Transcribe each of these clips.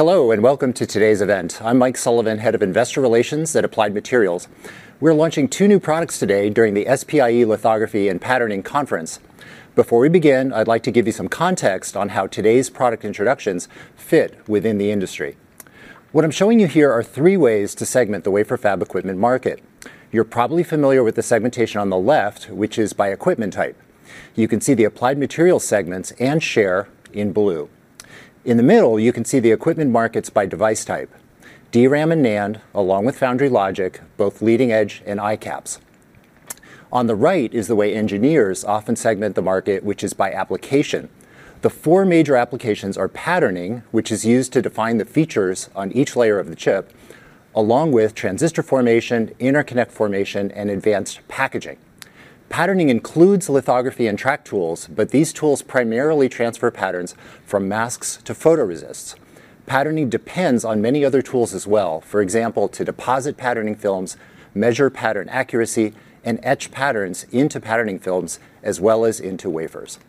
Hello, and welcome to today's event. I'm Mike Sullivan, Head of Investor Relations at Applied Materials. We're launching two new products today during the SPIE Lithography and Patterning conference. Before we begin, I'd like to give you some context on how today's product introductions fit within the industry. What I'm showing you here are three ways to segment the wafer fab equipment market. You're probably familiar with the segmentation on the left, which is by equipment type. You can see the Applied Materials segments and share in blue. In the middle, you can see the equipment markets by device type, DRAM and NAND, along with foundry logic, both leading-edge and ICAPS. On the right is the way engineers often segment the market, which is by application. The four major applications are patterning, which is used to define the features on each layer of the chip, along with transistor formation, interconnect formation, and advanced packaging. Patterning includes lithography and track tools, these tools primarily transfer patterns from masks to photoresists. Patterning depends on many other tools as well, for example, to deposit patterning films, measure pattern accuracy, and etch patterns into patterning films, as well as into wafers.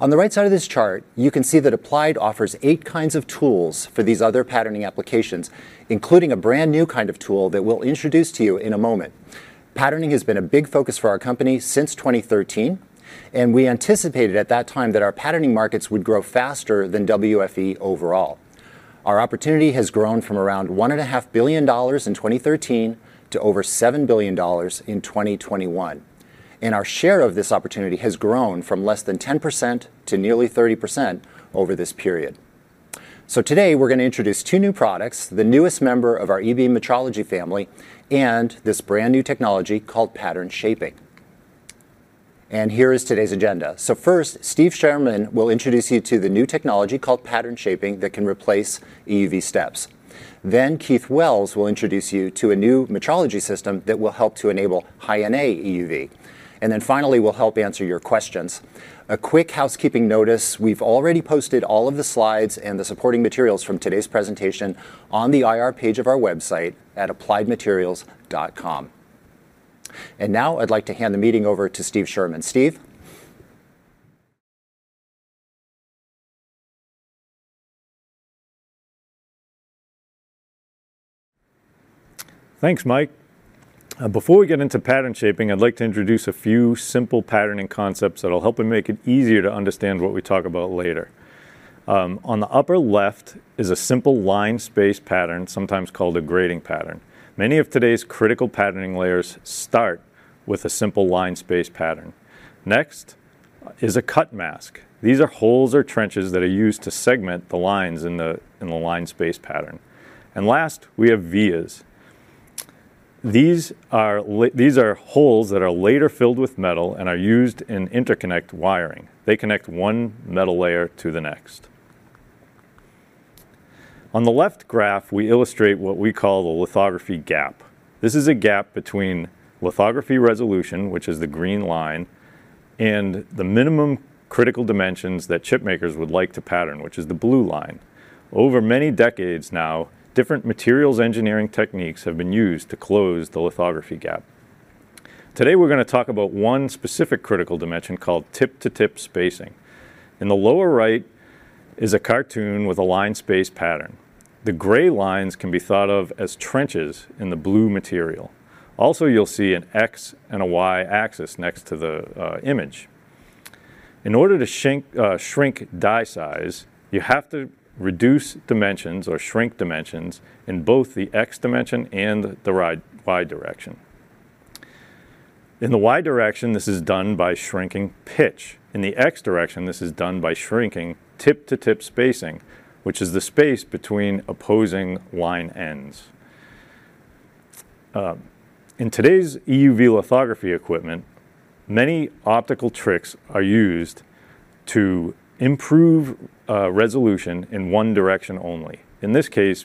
On the right side of this chart, you can see that Applied offers eight kinds of tools for these other patterning applications, including a brand-new kind of tool that we'll introduce to you in a moment. Patterning has been a big focus for our company since 2013, and we anticipated at that time that our patterning markets would grow faster than WFE overall. Our opportunity has grown from around one and a half billion dollars in 2013 to over $7 billion in 2021, and our share of this opportunity has grown from less than 10% to nearly 30% over this period. Today, we're gonna introduce two new products, the newest member of our EUV metrology family, and this brand-new technology called pattern shaping. Here is today's agenda. First, Steve Sherman will introduce you to the new technology called pattern shaping, that can replace EUV steps. Keith Wells will introduce you to a new metrology system that will help to enable High-NA EUV. Finally, we'll help answer your questions. A quick housekeeping notice, we've already posted all of the slides and the supporting materials from today's presentation on the IR page of our website at appliedmaterials.com. Now I'd like to hand the meeting over to Steve Sherman. Steve? Thanks, Mike. Before we get into pattern shaping, I'd like to introduce a few simple patterning concepts that'll help and make it easier to understand what we talk about later. On the upper left is a simple line space pattern, sometimes called a grading pattern. Many of today's critical patterning layers start with a simple line space pattern. Next is a cut mask. These are holes or trenches that are used to segment the lines in the line space pattern. Last, we have vias. These are holes that are later filled with metal and are used in interconnect wiring. They connect one metal layer to the next. On the left graph, we illustrate what we call the lithography gap. This is a gap between lithography resolution, which is the green line, and the minimum critical dimensions that chipmakers would like to pattern, which is the blue line. Over many decades now, different materials engineering techniques have been used to close the lithography gap. Today, we're gonna talk about one specific critical dimension called tip-to-tip spacing. In the lower right is a cartoon with a line space pattern. The gray lines can be thought of as trenches in the blue material. Also, you'll see an x and a y-axis next to the image. In order to shrink die size, you have to reduce dimensions or shrink dimensions in both the x dimension and the y direction. In the y direction, this is done by shrinking pitch. In the x direction, this is done by shrinking tip-to-tip spacing, which is the space between opposing line ends. In today's EUV lithography equipment, many optical tricks are used to improve resolution in one direction only. In this case,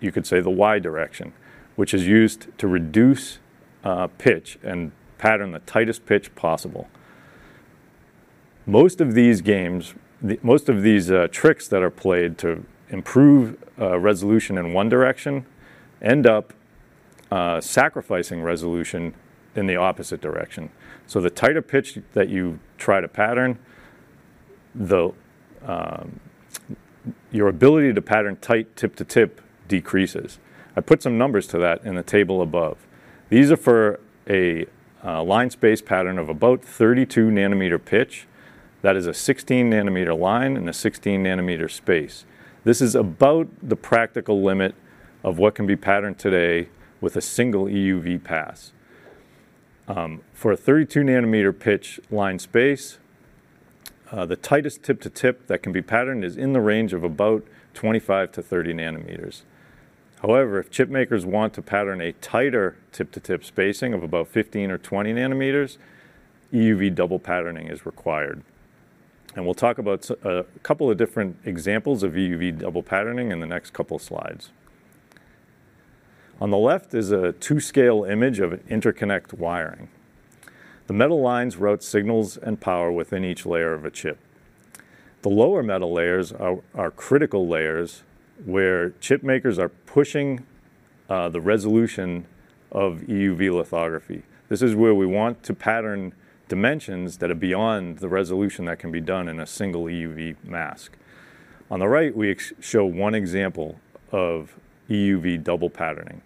you could say the y direction, which is used to reduce pitch and pattern the tightest pitch possible. Most of these tricks that are played to improve resolution in one direction end up sacrificing resolution in the opposite direction. The tighter pitch that you try to pattern, the your ability to pattern tight tip-to-tip decreases. I put some numbers to that in the table above. These are for a line space pattern of about 32 nm pitch. That is a 16 nm line and a 16 nm space. This is about the practical limit of what can be patterned today with a single EUV pass. For a 32 nm pitch line space, the tightest tip-to-tip that can be patterned is in the range of about 25 nm-30 nm. If chipmakers want to pattern a tighter tip-to-tip spacing of about 15 nm or 20 nm, EUV double patterning is required. We'll talk about a couple of different examples of EUV double patterning in the next couple of slides. On the left is a two-scale image of interconnect wiring. The metal lines route signals and power within each layer of a chip. The lower metal layers are critical layers where chipmakers are pushing the resolution of EUV lithography. This is where we want to pattern dimensions that are beyond the resolution that can be done in a single EUV mask. On the right, we show one example of EUV double patterning.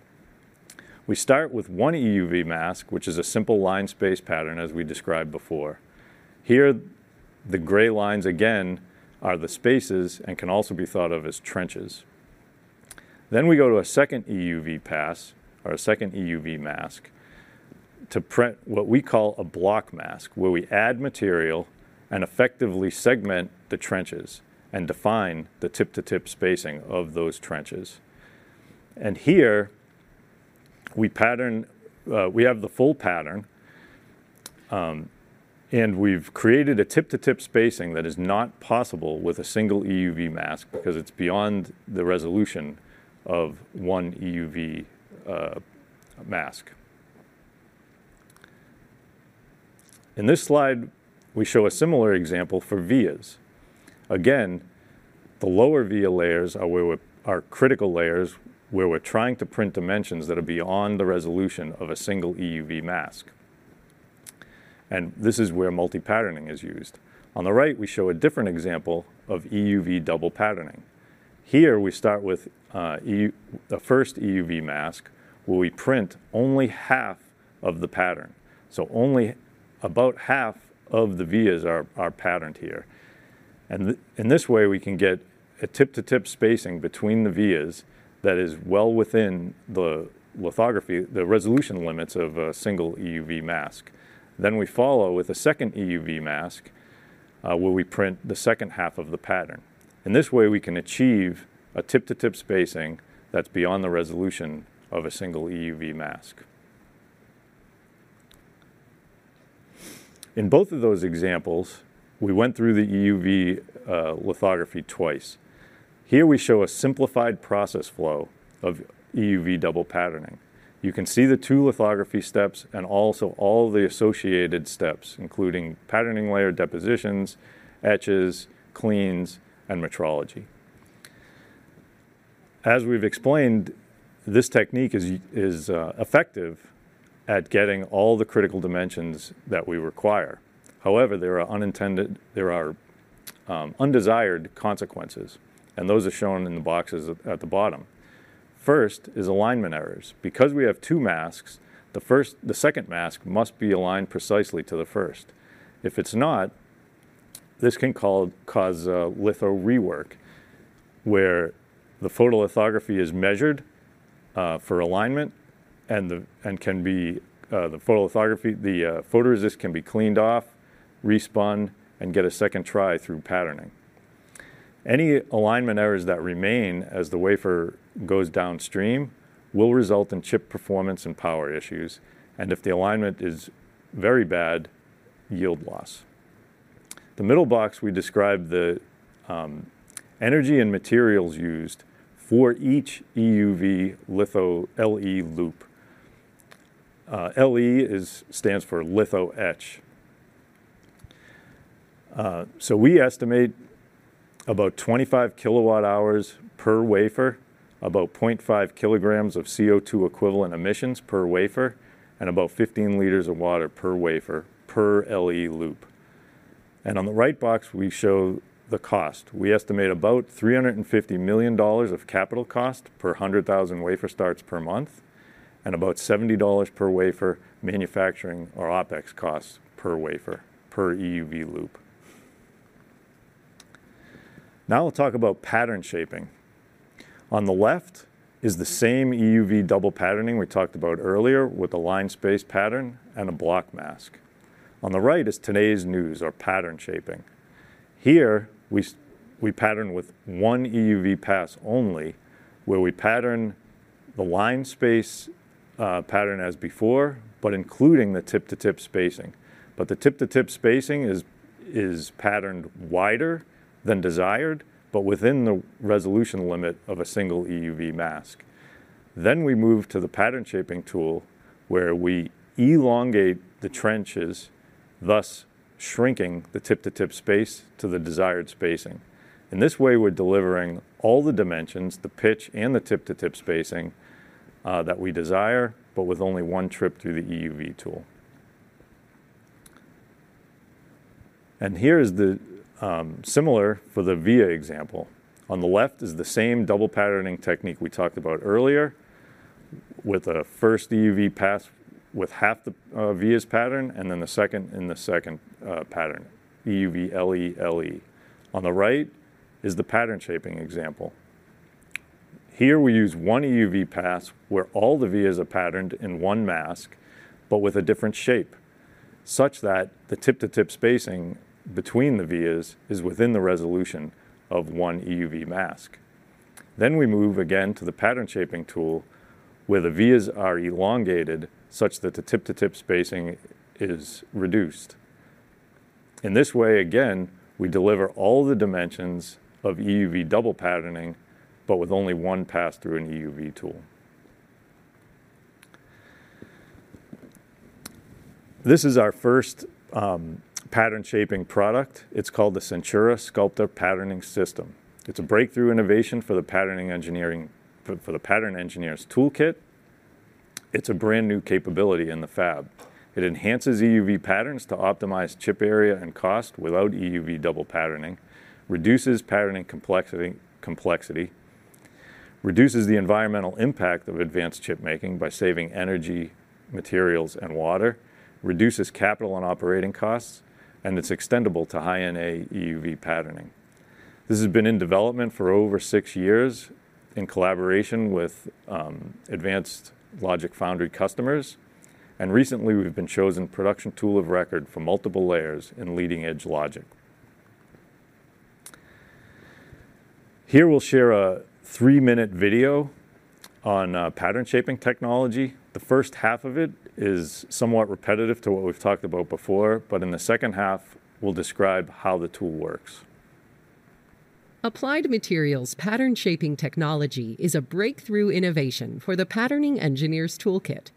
We start with one EUV mask, which is a simple line space pattern, as we described before. Here, the gray lines again, are the spaces and can also be thought of as trenches. We go to a second EUV pass or a second EUV mask, to print what we call a block mask, where we add material and effectively segment the trenches and define the tip-to-tip spacing of those trenches. Here, we pattern, we have the full pattern, and we've created a tip-to-tip spacing that is not possible with a single EUV mask, because it's beyond the resolution of one EUV mask. In this slide, we show a similar example for vias. Again, the lower via layers are where we're critical layers, where we're trying to print dimensions that are beyond the resolution of a single EUV mask. This is where multi-patterning is used. On the right, we show a different example of EUV double patterning. Here, we start with the first EUV mask, where we print only half of the pattern. Only about half of the vias are patterned here. In this way, we can get a tip-to-tip spacing between the vias that is well within the lithography, the resolution limits of a single EUV mask. We follow with a second EUV mask, where we print the second half of the pattern. In this way, we can achieve a tip-to-tip spacing that's beyond the resolution of a single EUV mask. In both of those examples, we went through the EUV lithography twice. Here we show a simplified process flow of EUV double patterning. You can see the two lithography steps and also all the associated steps, including patterning layer depositions, etches, cleans, and metrology. As we've explained, this technique is effective at getting all the critical dimensions that we require. However, there are undesired consequences, and those are shown in the boxes at the bottom. First, is alignment errors. Because we have two masks, the second mask must be aligned precisely to the first. If it's not, this can cause litho rework, where the photolithography is measured for alignment, and can be the photoresist can be cleaned off, re-spun, and get a second try through patterning. Any alignment errors that remain as the wafer goes downstream, will result in chip performance and power issues, and if the alignment is very bad, yield loss. The middle box, we describe the energy and materials used for each EUV litho LE loop. LE stands for litho etch. We estimate about 25 kilowatt hours per wafer, about 0.5 kilograms of CO2 equivalent emissions per wafer, and about 15 liters of water per wafer, per LE loop. On the right box, we show the cost. We estimate about $350 million of capital cost per 100,000 wafer starts per month, and about $70 per wafer manufacturing or OpEx costs per wafer, per EUV loop. Now we'll talk about pattern shaping. On the left is the same EUV double patterning we talked about earlier, with a line space pattern and a block mask. On the right is today's news or pattern shaping. Here, we pattern with one EUV pass only, where we pattern the line space pattern as before, but including the tip-to-tip spacing. The tip-to-tip spacing is patterned wider than desired, but within the resolution limit of a single EUV mask. We move to the pattern shaping tool, where we elongate the trenches, thus shrinking the tip-to-tip space to the desired spacing. In this way, we're delivering all the dimensions, the pitch and the tip-to-tip spacing that we desire, but with only one trip through the EUV tool. Here is the similar for the via example. On the left is the same double patterning technique we talked about earlier, with a first EUV pass with half the vias pattern, and then the second in the second pattern, EUV LE. On the right is the pattern shaping example. Here, we use one EUV pass, where all the vias are patterned in one mask, but with a different shape, such that the tip-to-tip spacing between the vias is within the resolution of one EUV mask. We move again to the pattern shaping tool, where the vias are elongated such that the tip-to-tip spacing is reduced. In this way, again, we deliver all the dimensions of EUV double patterning, but with only one pass through an EUV tool. This is our first pattern shaping product. It's called the Centura Sculpta Patterning System. It's a breakthrough innovation for the patterning engineer's toolkit. It's a brand-new capability in the fab. It enhances EUV patterns to optimize chip area and cost without EUV double patterning, reduces patterning complexity, reduces the environmental impact of advanced chip making by saving energy, materials, and water, reduces capital and operating costs, it's extendable to high-NA EUV patterning. This has been in development for over 6 years in collaboration with advanced logic foundry customers, recently, we've been chosen production tool of record for multiple layers in leading-edge logic. Here, we'll share a 3-minute video on pattern shaping technology. The first half of it is somewhat repetitive to what we've talked about before, in the second half, we'll describe how the tool works. Applied Materials' pattern shaping technology is a breakthrough innovation for the patterning engineer's toolkit.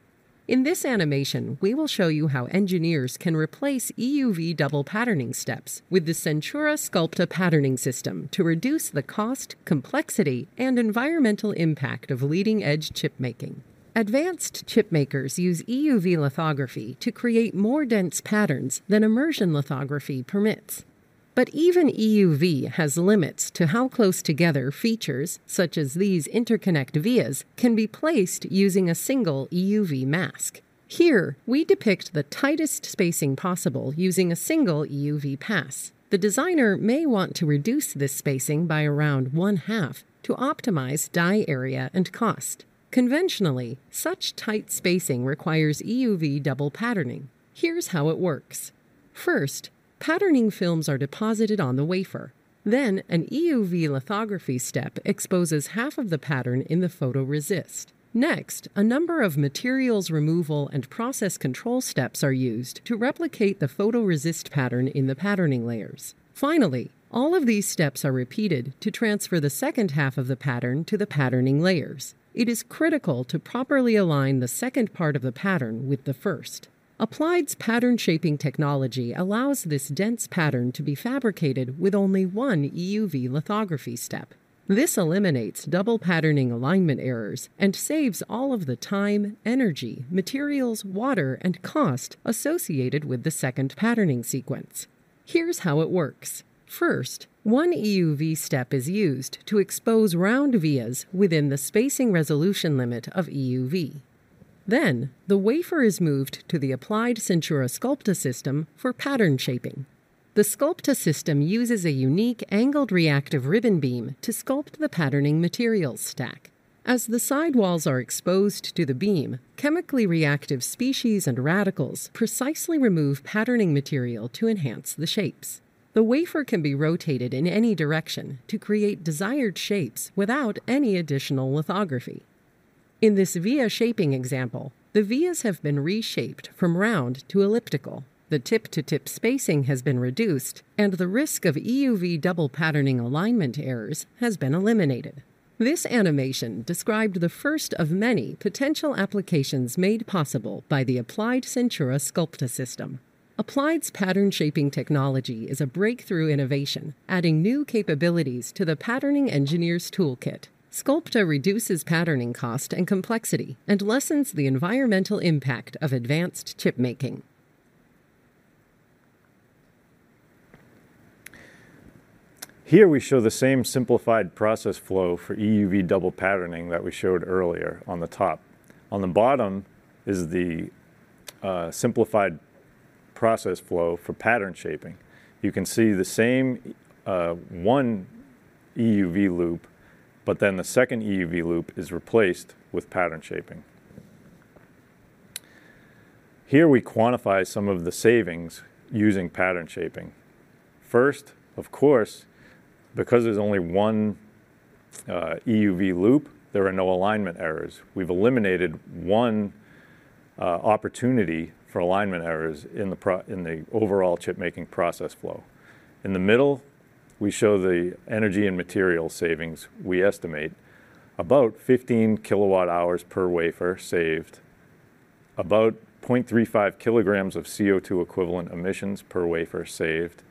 In this animation, we will show you how engineers can replace EUV double patterning steps with the Centura Sculpta Patterning System to reduce the cost, complexity, and environmental impact of leading-edge chip making. Advanced chip makers use EUV lithography to create more dense patterns than immersion lithography permits. Even EUV has limits to how close together features, such as these interconnect vias, can be placed using a single EUV mask. Here, we depict the tightest spacing possible using a single EUV pass. The designer may want to reduce this spacing by around one half to optimize die area and cost. Conventionally, such tight spacing requires EUV double patterning. Here's how it works. First, patterning films are deposited on the wafer. An EUV lithography step exposes half of the pattern in the photoresist. Next, a number of materials removal and process control steps are used to replicate the photoresist pattern in the patterning layers. Finally, all of these steps are repeated to transfer the second half of the pattern to the patterning layers. It is critical to properly align the second part of the pattern with the first. Applied's pattern shaping technology allows this dense pattern to be fabricated with only one EUV lithography step. This eliminates double patterning alignment errors and saves all of the time, energy, materials, water, and cost associated with the second patterning sequence. Here's how it works. First, one EUV step is used to expose round vias within the spacing resolution limit of EUV. The wafer is moved to the Applied Centura Sculpta system for pattern shaping. The Sculpta system uses a unique angled reactive ribbon beam to sculpt the patterning materials stack. As the sidewalls are exposed to the beam, chemically reactive species and radicals precisely remove patterning material to enhance the shapes. The wafer can be rotated in any direction to create desired shapes without any additional lithography. In this via shaping example, the vias have been reshaped from round to elliptical. The tip-to-tip spacing has been reduced, and the risk of EUV double patterning alignment errors has been eliminated. This animation described the first of many potential applications made possible by the Applied Centura Sculpta system. Applied's pattern shaping technology is a breakthrough innovation, adding new capabilities to the patterning engineer's toolkit. Sculpta reduces patterning cost and complexity and lessens the environmental impact of advanced chip making. Here we show the same simplified process flow for EUV double patterning that we showed earlier on the top. On the bottom is the simplified process flow for pattern shaping. You can see the same one EUV loop, but then the second EUV loop is replaced with pattern shaping. Here we quantify some of the savings using pattern shaping. First, of course, because there's only one EUV loop, there are no alignment errors. We've eliminated one opportunity for alignment errors in the overall chip-making process flow. In the middle, we show the energy and material savings we estimate, about 15 kWh per wafer saved, about 0.35 kg of CO2 equivalent emissions per wafer saved,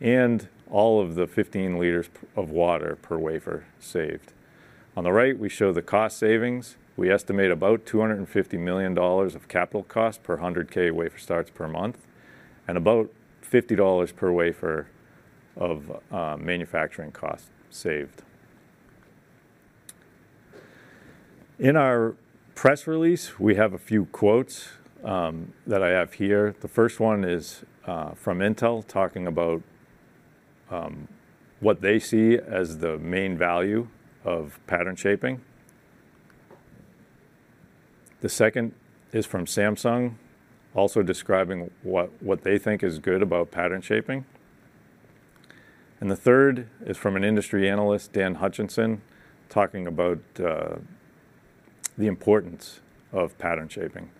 and all of the 15 L of water per wafer saved. On the right, we show the cost savings. We estimate about $250 million of capital cost per 100K wafer starts per month, and about $50 per wafer of manufacturing costs saved. In our press release, we have a few quotes that I have here. The first one is from Intel, talking about what they see as the main value of pattern shaping. The second is from Samsung, also describing what they think is good about pattern shaping. The third is from an industry analyst, Dan Hutcheson, talking about the importance of pattern shaping.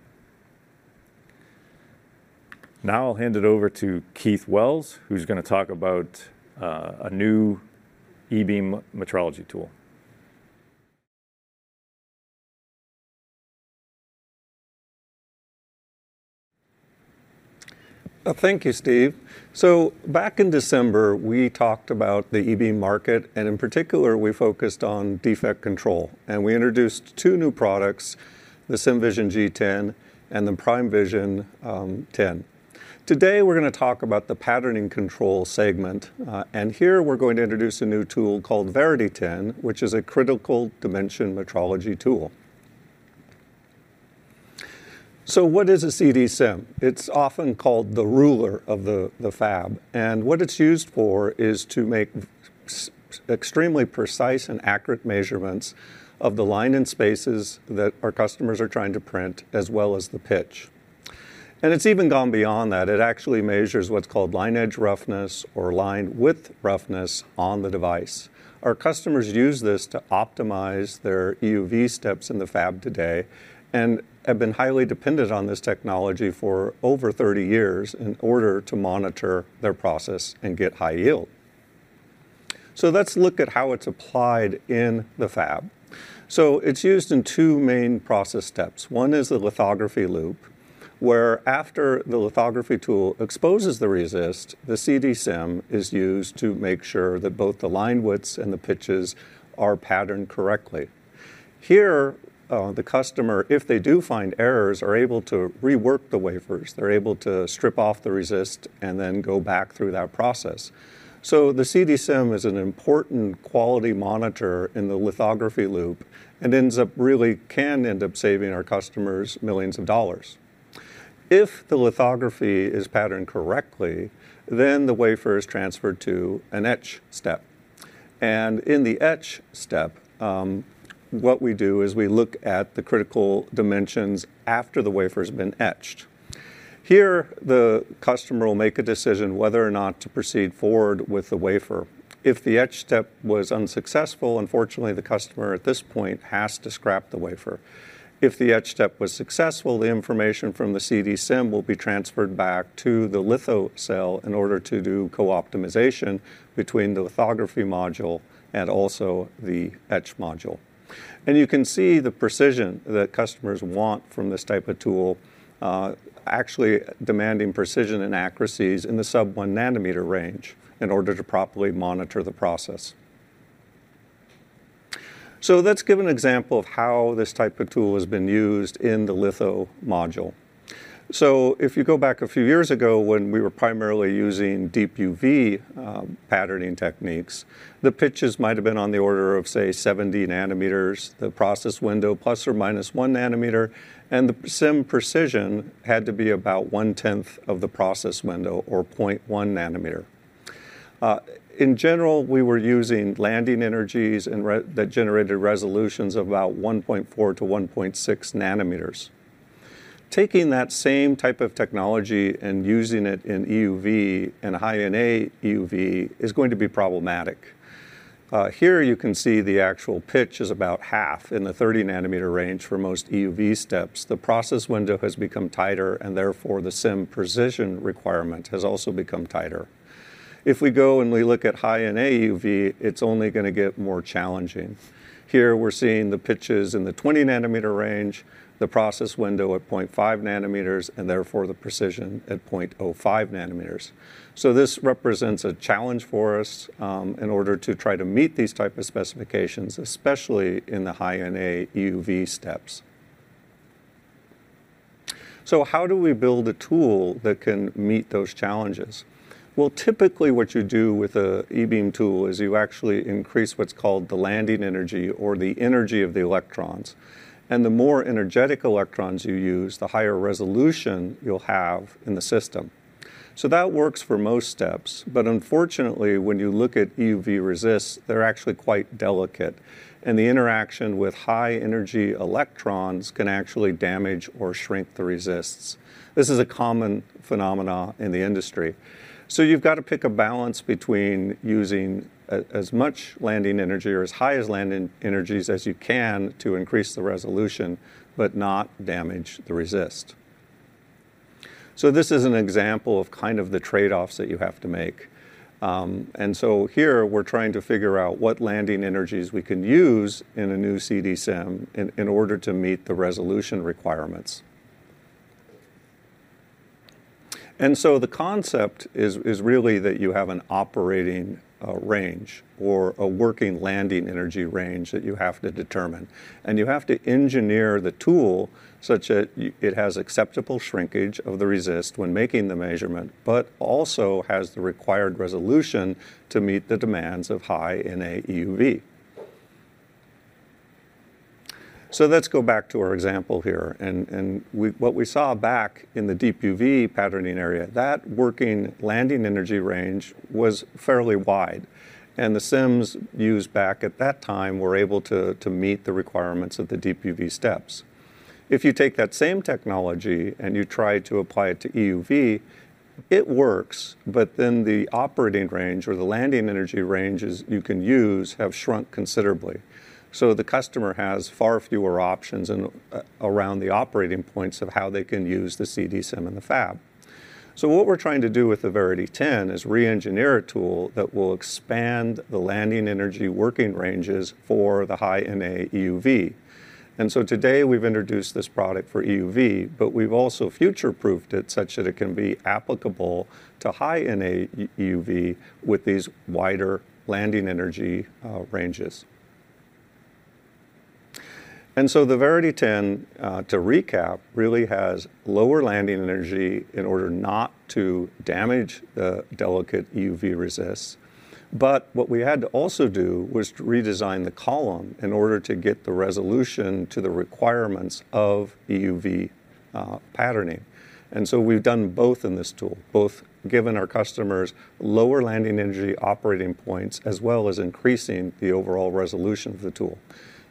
I'll hand it over to Keith Wells, who's gonna talk about a new eBeam metrology tool. Thank you, Steve. Back in December, we talked about the eBeam market, and in particular, we focused on defect control, and we introduced two new products: the SEMVision G10 and the PrimeVision 10. Today, we're going to talk about the patterning control segment, and here, we're going to introduce a new tool called VeritySEM 10, which is a critical dimension metrology tool. What is a CD-SEM? It's often called the ruler of the fab, and what it's used for is to make extremely precise and accurate measurements of the line and spaces that our customers are trying to print, as well as the pitch. It's even gone beyond that. It actually measures what's called line edge roughness or line width roughness on the device. Our customers use this to optimize their EUV steps in the fab today, and have been highly dependent on this technology for over 30 years in order to monitor their process and get high yield. Let's look at how it's applied in the fab. It's used in two main process steps. One is the lithography loop, where after the lithography tool exposes the resist, the CD-SEM is used to make sure that both the line widths and the pitches are patterned correctly. Here, the customer, if they do find errors, are able to rework the wafers. They're able to strip off the resist and then go back through that process. The CD-SEM is an important quality monitor in the lithography loop and really can end up saving our customers millions of dollars. If the lithography is patterned correctly, then the wafer is transferred to an etch step. In the etch step, what we do is we look at the critical dimensions after the wafer's been etched. Here, the customer will make a decision whether or not to proceed forward with the wafer. If the etch step was unsuccessful, unfortunately, the customer, at this point, has to scrap the wafer. If the etch step was successful, the information from the CD-SEM will be transferred back to the litho cell in order to do co-optimization between the lithography module and also the etch module. You can see the precision that customers want from this type of tool, actually demanding precision and accuracies in the sub-one nanometer range in order to properly monitor the process. Let's give an example of how this type of tool has been used in the litho module. If you go back a few years ago, when we were primarily using deep UV patterning techniques, the pitches might have been on the order of, say, 70 nm, the process window, ±1 nm, and the SEM precision had to be about one-tenth of the process window or 0.1 nm. In general, we were using landing energies that generated resolutions of about 1.4 nm to 1.6 nm. Taking that same type of technology and using it in EUV and High-NA EUV is going to be problematic. Here you can see the actual pitch is about half in the 30 nm range for most EUV steps. The process window has become tighter, and therefore, the SEM precision requirement has also become tighter. If we go and we look at High-NA EUV, it's only gonna get more challenging. Here, we're seeing the pitches in the 20 nm range, the process window at 0.5 nm, and therefore, the precision at 0.05 nm. This represents a challenge for us in order to try to meet these type of specifications, especially in the High-NA EUV steps. How do we build a tool that can meet those challenges? Well, typically, what you do with a e-beam tool is you actually increase what's called the landing energy or the energy of the electrons, and the more energetic electrons you use, the higher resolution you'll have in the system. That works for most steps, but unfortunately, when you look at EUV resists, they're actually quite delicate, and the interaction with high-energy electrons can actually damage or shrink the resists. This is a common phenomenon in the industry. You've got to pick a balance between using as much landing energy or as high as landing energies as you can to increase the resolution, but not damage the resist. This is an example of kind of the trade-offs that you have to make. Here, we're trying to figure out what landing energies we can use in a new CD-SEM in order to meet the resolution requirements. The concept is really that you have an operating range or a working landing energy range that you have to determine. You have to engineer the tool such that it has acceptable shrinkage of the resist when making the measurement, but also has the required resolution to meet the demands of High-NA EUV. Let's go back to our example here, and what we saw back in the deep UV patterning area, that working landing energy range was fairly wide, and the SEMs used back at that time were able to meet the requirements of the deep UV steps. If you take that same technology and you try to apply it to EUV. It works, but then the operating range or the landing energy ranges you can use have shrunk considerably. The customer has far fewer options in around the operating points of how they can use the CD-SEM in the fab. What we're trying to do with the VeritySEM 10 is re-engineer a tool that will expand the landing energy working ranges for the high-NA EUV. Today, we've introduced this product for EUV, but we've also future-proofed it such that it can be applicable to high-NA EUV with these wider landing energy ranges. The VeritySEM 10, to recap, really has lower landing energy in order not to damage the delicate EUV resists. What we had to also do was to redesign the column in order to get the resolution to the requirements of EUV patterning. We've done both in this tool, both given our customers lower landing energy operating points, as well as increasing the overall resolution of the tool.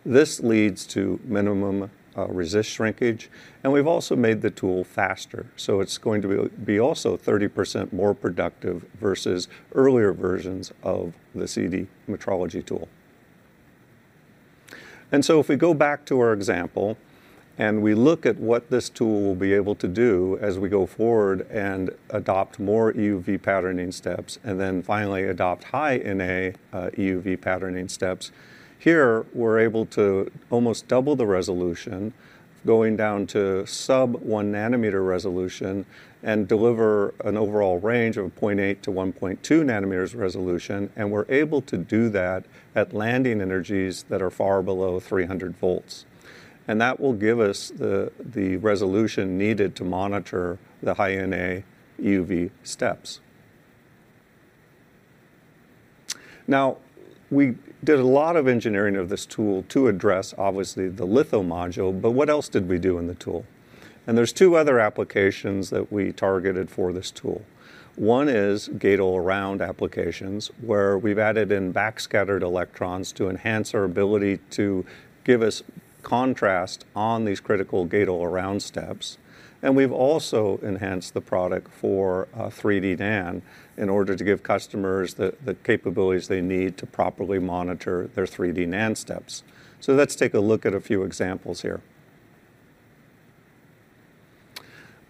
This leads to minimum resist shrinkage, and we've also made the tool faster, so it's going to be also 30% more productive versus earlier versions of the CD metrology tool. If we go back to our example, and we look at what this tool will be able to do as we go forward and adopt more EUV patterning steps, then finally adopt High-NA EUV patterning steps, here, we're able to almost double the resolution, going down to sub-1 nm resolution, and deliver an overall range of 0.8 nm to 1.2 nm resolution, and we're able to do that at landing energies that are far below 300 volts. That will give us the resolution needed to monitor the High-NA EUV steps. We did a lot of engineering of this tool to address, obviously, the litho module, but what else did we do in the tool? There's 2 other applications that we targeted for this tool. One is gate-all-around applications, where we've added in backscattered electrons to enhance our ability to give us contrast on these critical gate-all-around steps. We've also enhanced the product for 3D NAND in order to give customers the capabilities they need to properly monitor their 3D NAND steps. Let's take a look at a few examples here.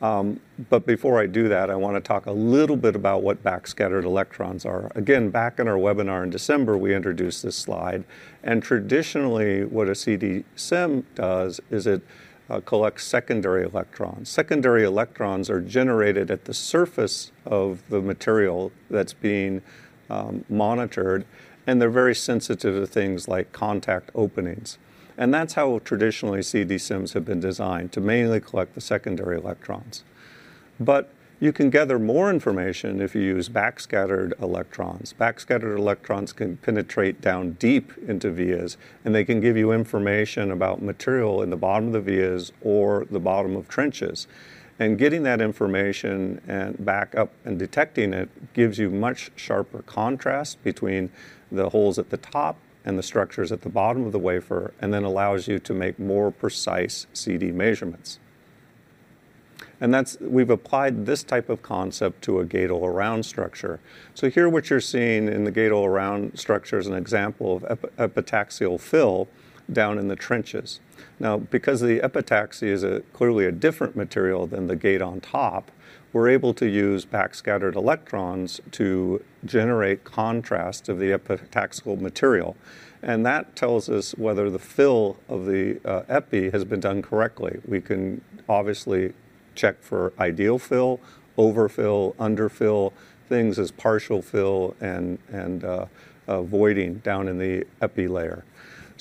But before I do that, I want to talk a little bit about what backscattered electrons are. Again, back in our webinar in December, we introduced this slide, and traditionally, what a CD-SEM does is it collects secondary electrons. Secondary electrons are generated at the surface of the material that's being monitored, they're very sensitive to things like contact openings. That's how traditionally CD-SEMs have been designed, to mainly collect the secondary electrons. You can gather more information if you use backscattered electrons. Backscattered electrons can penetrate down deep into Vias, they can give you information about material in the bottom of the Vias or the bottom of trenches. Getting that information and back up and detecting it gives you much sharper contrast between the holes at the top and the structures at the bottom of the wafer, then allows you to make more precise CD measurements. That's we've applied this type of concept to a gate-all-around structure. Here, what you're seeing in the gate-all-around structure is an example of epitaxial fill down in the trenches. Now, because the epitaxy is clearly a different material than the gate on top, we're able to use backscattered electrons to generate contrast of the epitaxial material, and that tells us whether the fill of the epi has been done correctly. We can obviously check for ideal fill, overfill, underfill, things as partial fill, and voiding down in the epi layer.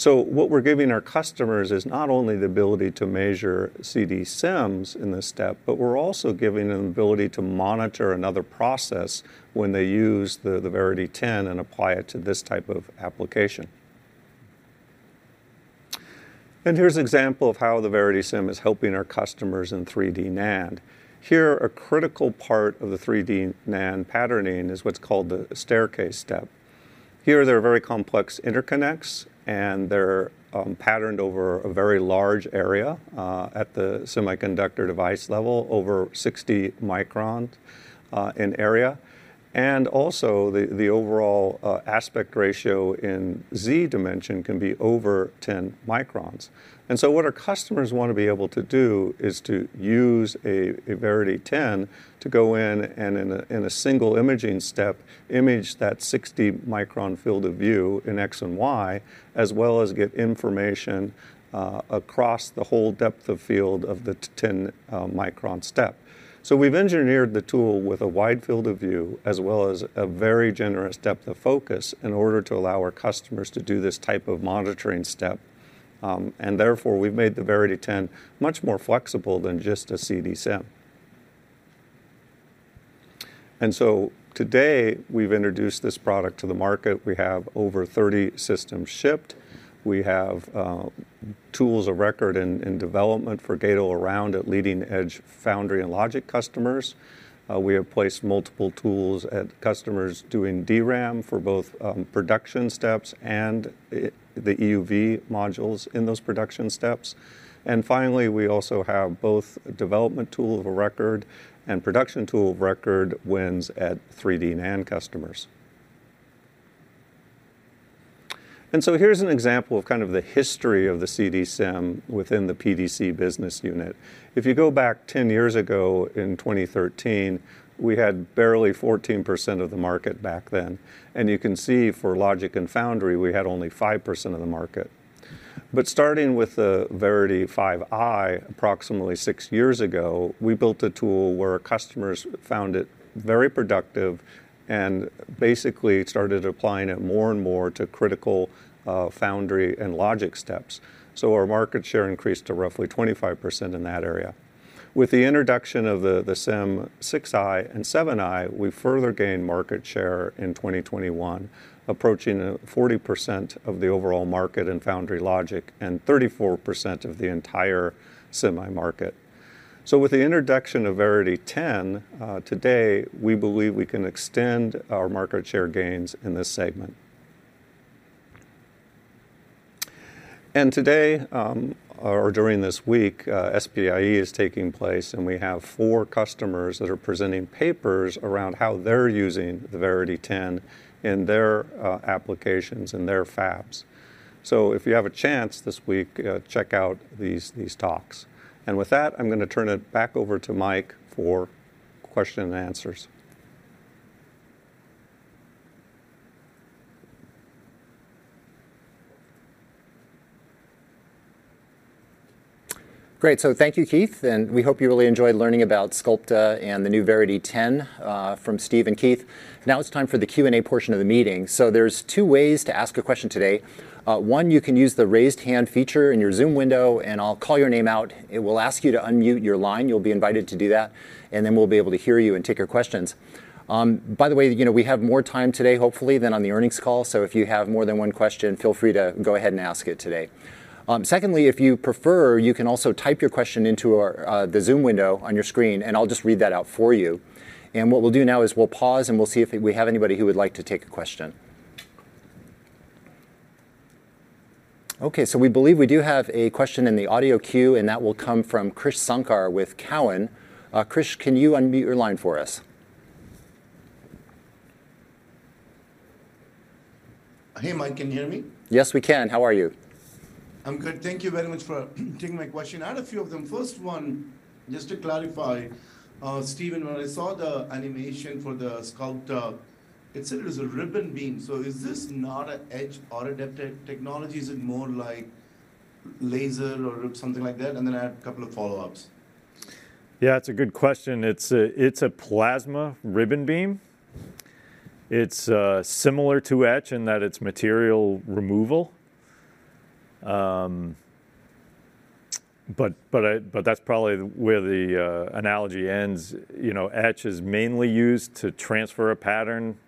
What we're giving our customers is not only the ability to measure CD-SEMs in this step, but we're also giving them the ability to monitor another process when they use the VeritySEM 10 and apply it to this type of application. Here's an example of how the VeritySEM is helping our customers in 3D NAND. Here, a critical part of the 3D NAND patterning is what's called the staircase step. Here, there are very complex interconnects, and they're patterned over a very large area at the semiconductor device level, over 60 micron in area. The overall aspect ratio in Z dimension can be over 10 microns. What our customers want to be able to do is to use a VeritySEM 10 to go in, and in a single imaging step, image that 60-micron field of view in X and Y, as well as get information across the whole depth of field of the 10 micron step. We've engineered the tool with a wide field of view, as well as a very generous depth of focus, in order to allow our customers to do this type of monitoring step. And therefore, we've made the VeritySEM 10 much more flexible than just a CD-SEM. Today, we've introduced this product to the market. We have over 30 systems shipped. We have tools of record in development for gate-all-around at leading-edge foundry and logic customers. We have placed multiple tools at customers doing DRAM for both production steps and the EUV modules in those production steps. Finally, we also have both development tool of a record and production tool of record wins at 3D NAND customers. Here's an example of kind of the history of the CD-SEM within the PDC business unit. If you go back 10 years ago in 2013, we had barely 14% of the market back then, and you can see for logic and foundry, we had only 5% of the market. Starting with the VeritySEM 5i, approximately 6 years ago, we built a tool where our customers found it very productive and basically started applying it more and more to critical foundry and logic steps. Our market share increased to roughly 25% in that area. With the introduction of the SEM 6i and 7i, we further gained market share in 2021, approaching 40% of the overall market in foundry logic and 34% of the entire semi market. With the introduction of VeritySEM 10, today, we believe we can extend our market share gains in this segment. Today, or during this week, SPIE is taking place, and we have four customers that are presenting papers around how they're using the VeritySEM 10 in their applications and their fabs. If you have a chance this week, check out these talks. With that, I'm gonna turn it back over to Mike for question and answers. Great. Thank you, Keith, and we hope you really enjoyed learning about Sculpta and the new VeritySEM 10, from Steve and Keith. Now it's time for the Q&A portion of the meeting. There's two ways to ask a question today. One, you can use the raised hand feature in your Zoom window, and I'll call your name out. It will ask you to unmute your line. You'll be invited to do that, and then we'll be able to hear you and take your questions. By the way, you know, we have more time today, hopefully, than on the earnings call, so if you have more than one question, feel free to go ahead and ask it today. Secondly, if you prefer, you can also type your question into the Zoom window on your screen, and I'll just read that out for you. What we'll do now is we'll pause, and we'll see if we have anybody who would like to take a question. Okay, we believe we do have a question in the audio queue, and that will come from Krish Sankar with Cowen. Krish, can you unmute your line for us? Hey, Mike, can you hear me? Yes, we can. How are you? I'm good. Thank you very much for taking my question. I had a few of them. First one, just to clarify, Steve, when I saw the animation for the Sculpta, it said it was a ribbon beam. Is this not a etch or adapted technology? Is it more like laser or something like that? I had a couple of follow-ups. Yeah, it's a good question. It's a plasma ribbon beam. It's similar to etch in that it's material removal. That's probably where the analogy ends. You know, etch is mainly used to transfer a pattern,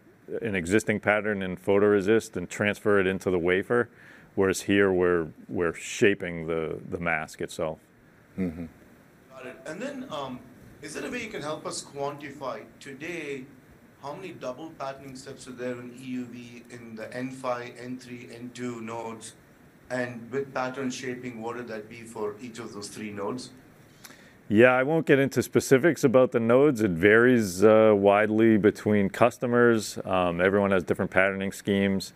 an existing pattern in photoresist and transfer it into the wafer, whereas here, we're shaping the mask itself. Got it. Is there a way you can help us quantify today, how many double patterning steps are there in EUV, in the N5, N3, N2 nodes, and with pattern shaping, what would that be for each of those three nodes? Yeah, I won't get into specifics about the nodes. It varies widely between customers. Everyone has different patterning schemes.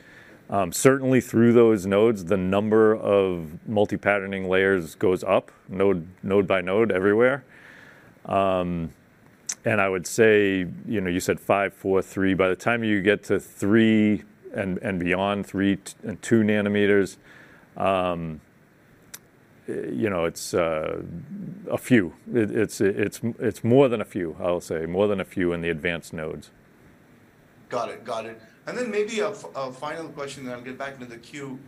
Certainly, through those nodes, the number of multi-patterning layers goes up, node by node, everywhere. I would say, you know, you said 5 nm, 4 nm, 3 nm. By the time you get to 3 nm, and beyond 3 nm, and 2 nm, you know, it's a few. It's more than a few, I'll say, more than a few in the advanced nodes. Got it. Got it. Then maybe a final question, and I'll get back into the queue.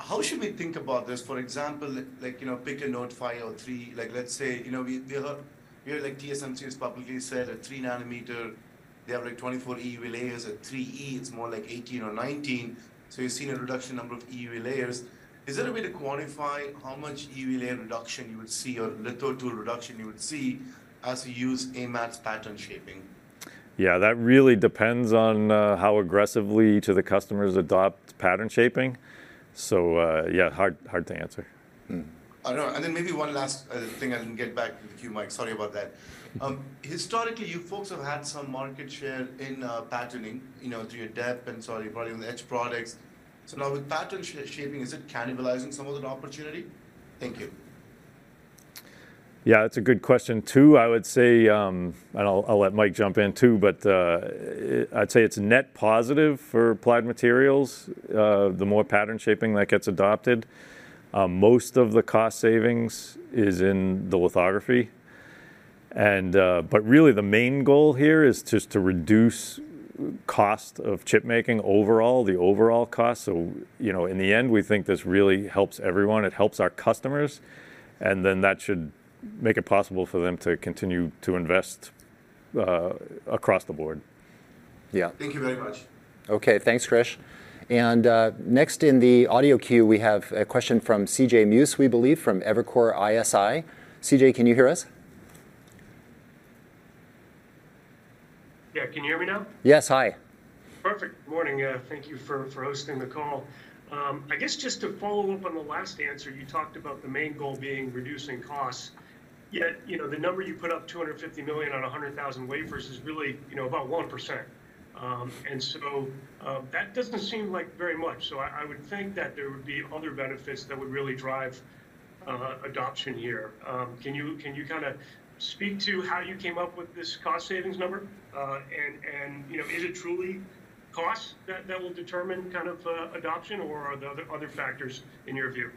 How should we think about this? For example, like, you know, pick a node 5 nm or 3 nm. Like, let's say, you know, we heard, like, TSMC has publicly said a 3 nm, they have, like, 24 EUV layers. At 3E, it's more like 18 or 19, so you've seen a reduction number of EUV layers. Is there a way to quantify how much EUV layer reduction you would see or litho tool reduction you would see as you use AMAT's pattern shaping? Yeah, that really depends on how aggressively to the customers adopt pattern shaping. Yeah, hard to answer. I know. Maybe one last thing, I can get back to the queue, Mike. Sorry about that. Historically, you folks have had some market share in patterning, you know, through your depth and sorry, probably on the edge products. Now with pattern shaping, is it cannibalizing some of that opportunity? Thank you. Yeah, it's a good question, too. I would say, and I'll let Mike jump in, too, but I'd say it's net positive for Applied Materials, the more pattern shaping that gets adopted. Most of the cost savings is in the lithography. Really, the main goal here is just to reduce cost of chip making overall, the overall cost. You know, in the end, we think this really helps everyone. It helps our customers, and then that should make it possible for them to continue to invest across the board. Yeah. Thank you very much. Okay, thanks, Krish. Next in the audio queue, we have a question from CJ Muse, we believe, from Evercore ISI. CJ, can you hear us? Yeah. Can you hear me now? Yes. Hi. Perfect. Good morning, thank you for hosting the call. I guess just to follow up on the last answer, you talked about the main goal being reducing costs. Yet, you know, the number you put up, $250 million on 100,000 wafers, is really, you know, about 1%. That doesn't seem like very much. I would think that there would be other benefits that would really drive adoption here. Can you kinda speak to how you came up with this cost savings number? You know, is it truly cost that will determine kind of adoption, or are there other factors in your view?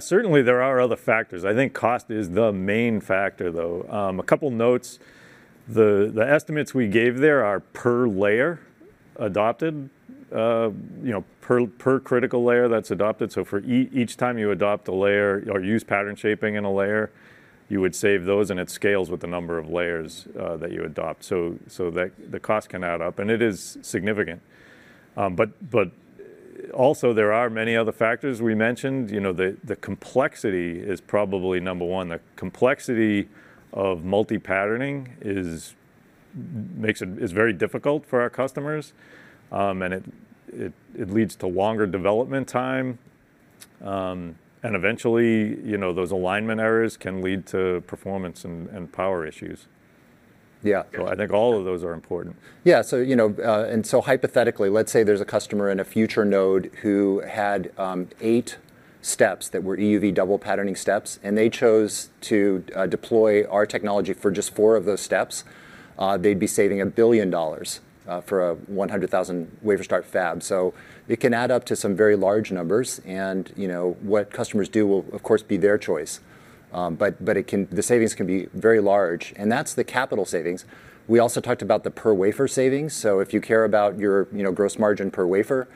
Certainly there are other factors. I think cost is the main factor, though. A couple notes: the estimates we gave there are per layer adopted, you know, per critical layer that's adopted. For each time you adopt a layer or use pattern shaping in a layer, you would save those, and it scales with the number of layers that you adopt. The cost can add up, and it is significant. Also, there are many other factors we mentioned. You know, the complexity is probably number one. The complexity of multi-patterning is very difficult for our customers, and it leads to longer development time. Eventually, you know, those alignment errors can lead to performance and power issues. Yeah. I think all of those are important. You know, hypothetically, let's say there's a customer in a future node who had eight steps that were EUV double patterning steps, and they chose to deploy our technology for just four of those steps. They'd be saving $1 billion for a 100,000 wafer start fab. It can add up to some very large numbers, and, you know, what customers do will, of course, be their choice. But the savings can be very large, and that's the capital savings. We also talked about the per wafer savings, so if you care about your, you know, gross margin per wafer,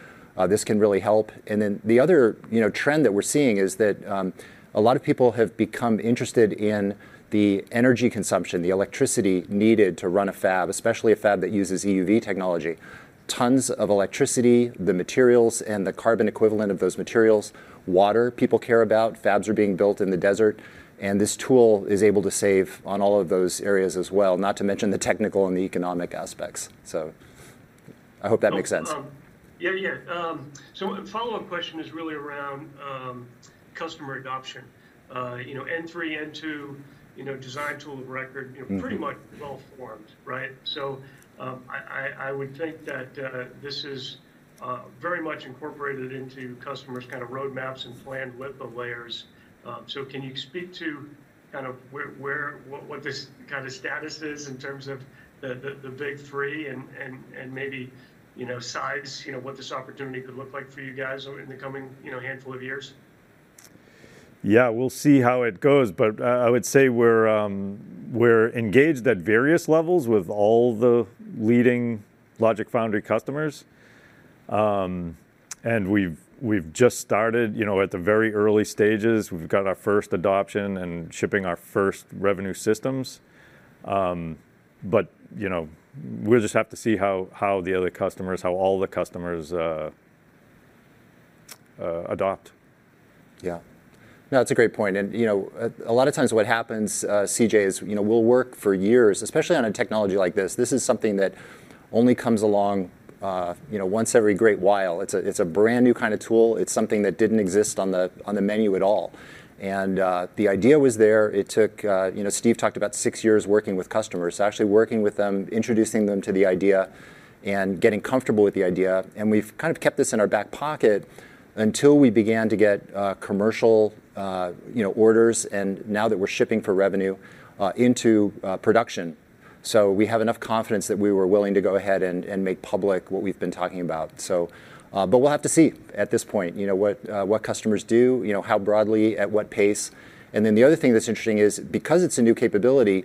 this can really help. The other, you know, trend that we're seeing is that a lot of people have become interested in the energy consumption, the electricity needed to run a fab, especially a fab that uses EUV technology. Tons of electricity, the materials, and the carbon equivalent of those materials, water, people care about. Fabs are being built in the desert, this tool is able to save on all of those areas as well, not to mention the technical and the economic aspects. I hope that makes sense. A follow-up question is really around customer adoption. You know, N3, N2, you know, design tool of record... pretty much well-formed, right? I would think that, this is, very much incorporated into customers' kind of roadmaps and planned width of layers. Can you speak to kind of where, what this kind of status is in terms of the big three and maybe, you know, size, you know, what this opportunity could look like for you guys in the coming, you know, handful of years? Yeah, we'll see how it goes, but I would say we're engaged at various levels with all the leading logic foundry customers. We've just started, you know, at the very early stages. We've got our first adoption and shipping our first revenue systems. You know, we'll just have to see how the other customers, how all the customers, adopt. Yeah. No, it's a great point, and, you know, a lot of times what happens, CJ, is, you know, we'll work for years, especially on a technology like this. This is something that only comes along, you know, once every great while. It's a brand-new kind of tool. It's something that didn't exist on the menu at all. The idea was there. It took, you know, Steve talked about six years working with customers, actually working with them, introducing them to the idea, and getting comfortable with the idea, and we've kind of kept this in our back pocket until we began to get commercial, you know, orders, and now that we're shipping for revenue into production. We have enough confidence that we were willing to go ahead and make public what we've been talking about. We'll have to see at this point, you know, what customers do, you know, how broadly, at what pace. The other thing that's interesting is, because it's a new capability,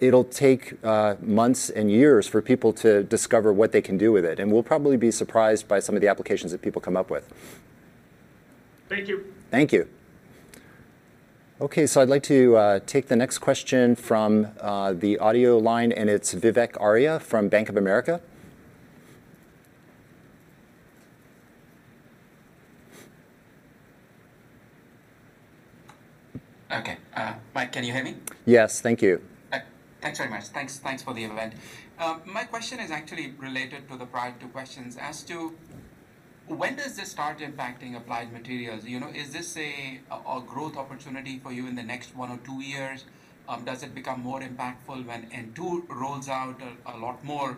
it'll take months and years for people to discover what they can do with it, and we'll probably be surprised by some of the applications that people come up with. Thank you. Thank you. Okay, I'd like to take the next question from the audio line, and it's Vivek Arya from Bank of America. Okay, Mike, can you hear me? Yes, thank you. Thanks very much. Thanks for the event. My question is actually related to the prior two questions as to: When does this start impacting Applied Materials? You know, is this a growth opportunity for you in the next one or two years? Does it become more impactful when N2 rolls out a lot more,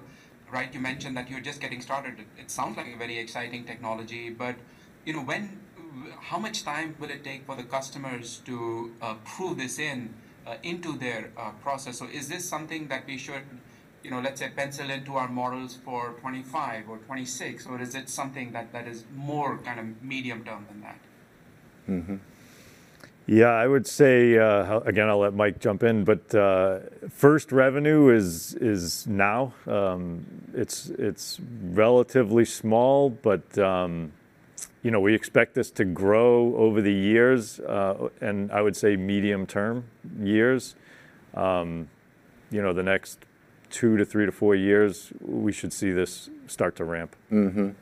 right? You mentioned that you're just getting started. It sounds like a very exciting technology, but, you know, how much time would it take for the customers to pull this in into their process? Is this something that we should, you know, let's say, pencil into our models for 2025 or 2026, or is it something that is more kind of medium-term than that? Yeah, I would say, Again, I'll let Mike jump in, first revenue is now. It's relatively small, you know, we expect this to grow over the years, I would say medium term years. You know, the next two to three to four years, we should see this start to ramp. You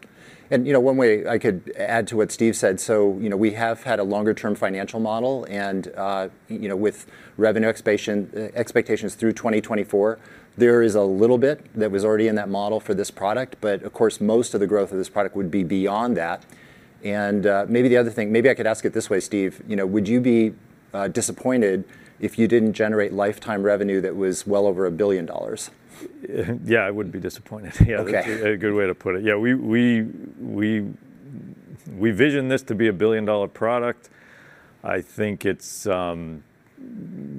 know, one way I could add to what Steve said: you know, we have had a longer-term financial model, and, you know, with revenue expansion expectations through 2024, there is a little bit that was already in that model for this product, but of course, most of the growth of this product would be beyond that. Maybe the other thing, maybe I could ask it this way, Steve, you know, would you be disappointed if you didn't generate lifetime revenue that was well over $1 billion? Yeah, I would be disappointed. Yeah. Okay. A good way to put it. Yeah, we vision this to be a billion-dollar product. I think it's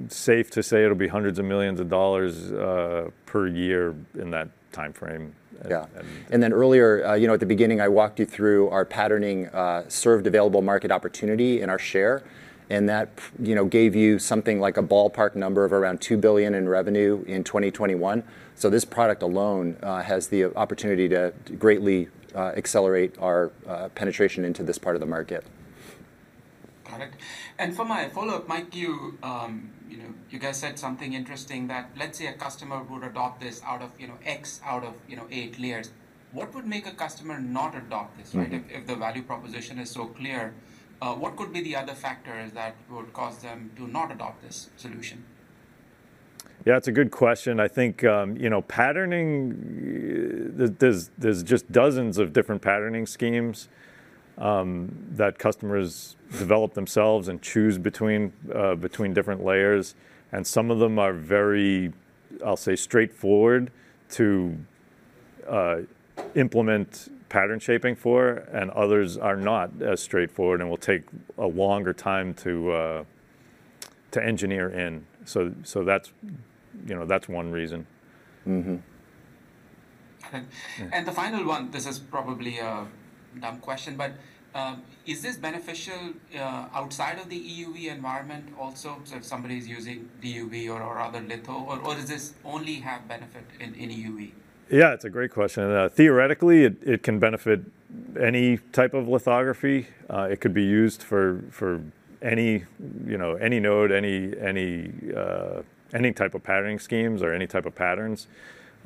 safe to say it'll be hundreds of millions of dollars per year in that timeframe. Yeah. Earlier, you know, at the beginning, I walked you through our patterning, served available market opportunity and our share, and that, you know, gave you something like a ballpark number of around $2 billion in revenue in 2021. This product alone has the opportunity to greatly accelerate our penetration into this part of the market. Got it. For my follow-up, Mike, you know, you guys said something interesting, that let's say a customer would adopt this out of, you know, X out of, you know, eight layers. What would make a customer not adopt this? Right. If the value proposition is so clear, what could be the other factors that would cause them to not adopt this solution? Yeah, it's a good question. I think, you know, patterning, there's just dozens of different patterning schemes that customers develop themselves and choose between different layers, and some of them are very, I'll say, straightforward to implement pattern shaping for, and others are not as straightforward and will take a longer time to engineer in. That's, you know, that's one reason. The final one, this is probably a dumb question, but, is this beneficial outside of the EUV environment also, so if somebody's using DUV or other litho? Does this only have benefit in EUV? Yeah, it's a great question. Theoretically, it can benefit any type of lithography. It could be used for any, you know, any node, any, any type of patterning schemes or any type of patterns.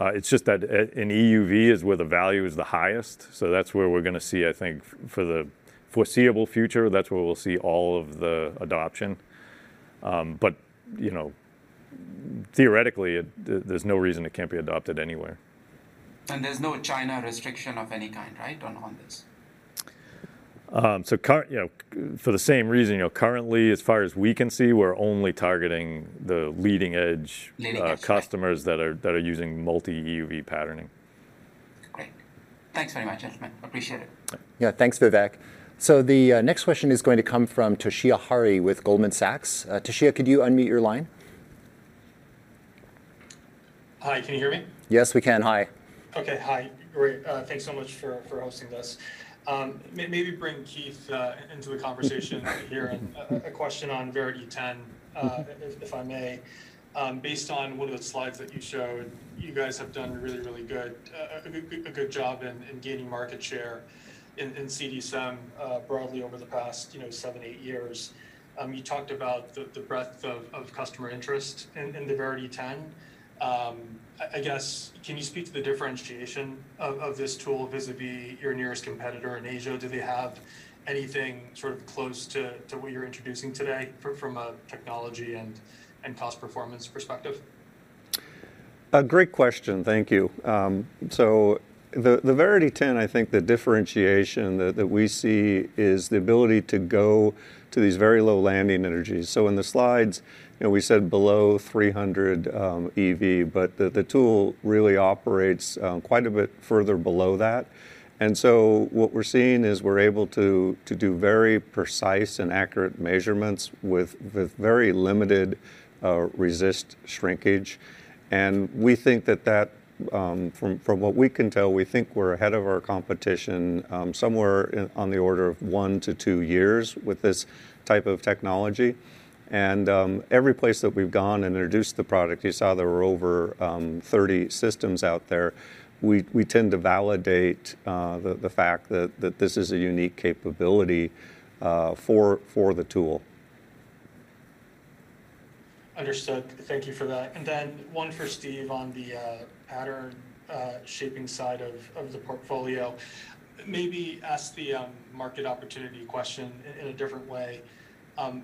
It's just that an EUV is where the value is the highest, so that's where we're gonna see, I think, for the foreseeable future, that's where we'll see all of the adoption. But, you know, theoretically, there's no reason it can't be adopted anywhere. There's no China restriction of any kind, right, on this? You know, for the same reason, you know, currently, as far as we can see, we're only targeting the. Leading edge... customers that are, that are using multi-EUV patterning. Great. Thanks very much, gentlemen. Appreciate it. Yeah, thanks, Vivek. The next question is going to come from Toshiya Hari with Goldman Sachs. Toshiya, could you unmute your line? Hi, can you hear me? Yes, we can. Hi. Okay, hi. Great. Thanks so much for hosting this. Maybe bring Keith into the conversation here. A question on VeritySEM 10, if I may. Based on one of the slides that you showed, you guys have done really good, a good job in gaining market share in CD-SEM, broadly over the past, you know, seven, eight years. You talked about the breadth of customer interest in the VeritySEM 10. I guess, can you speak to the differentiation of this tool vis-a-vis your nearest competitor in Asia? Do they have anything sort of close to what you're introducing today from a technology and cost performance perspective? A great question. Thank you. The VeritySEM 10, I think the differentiation that we see is the ability to go to these very low landing energies. In the slides, you know, we said below 300 eV, the tool really operates quite a bit further below that. What we're seeing is we're able to do very precise and accurate measurements with very limited resist shrinkage. We think that, from what we can tell, we think we're ahead of our competition on the order of one to two years with this type of technology. Every place that we've gone and introduced the product, you saw there were over 30 systems out there. We tend to validate the fact that this is a unique capability for the tool. Understood. Thank you for that. Then one for Steve on the pattern shaping side of the portfolio. Maybe ask the market opportunity question in a different way.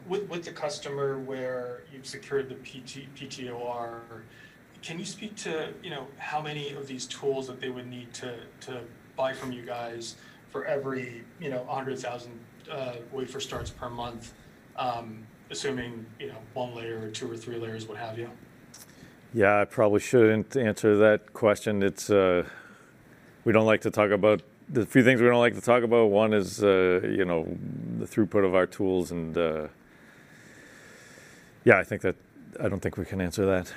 With the customer where you've secured the PTOR, can you speak to, you know, how many of these tools that they would need to buy from you guys for every, you know, 100,000 wafer starts per month, assuming, you know, one layer or two or three layers, what have you? Yeah, I probably shouldn't answer that question. It's. There's a few things we don't like to talk about. One is, you know, the throughput of our tools, and, yeah, I don't think we can answer that.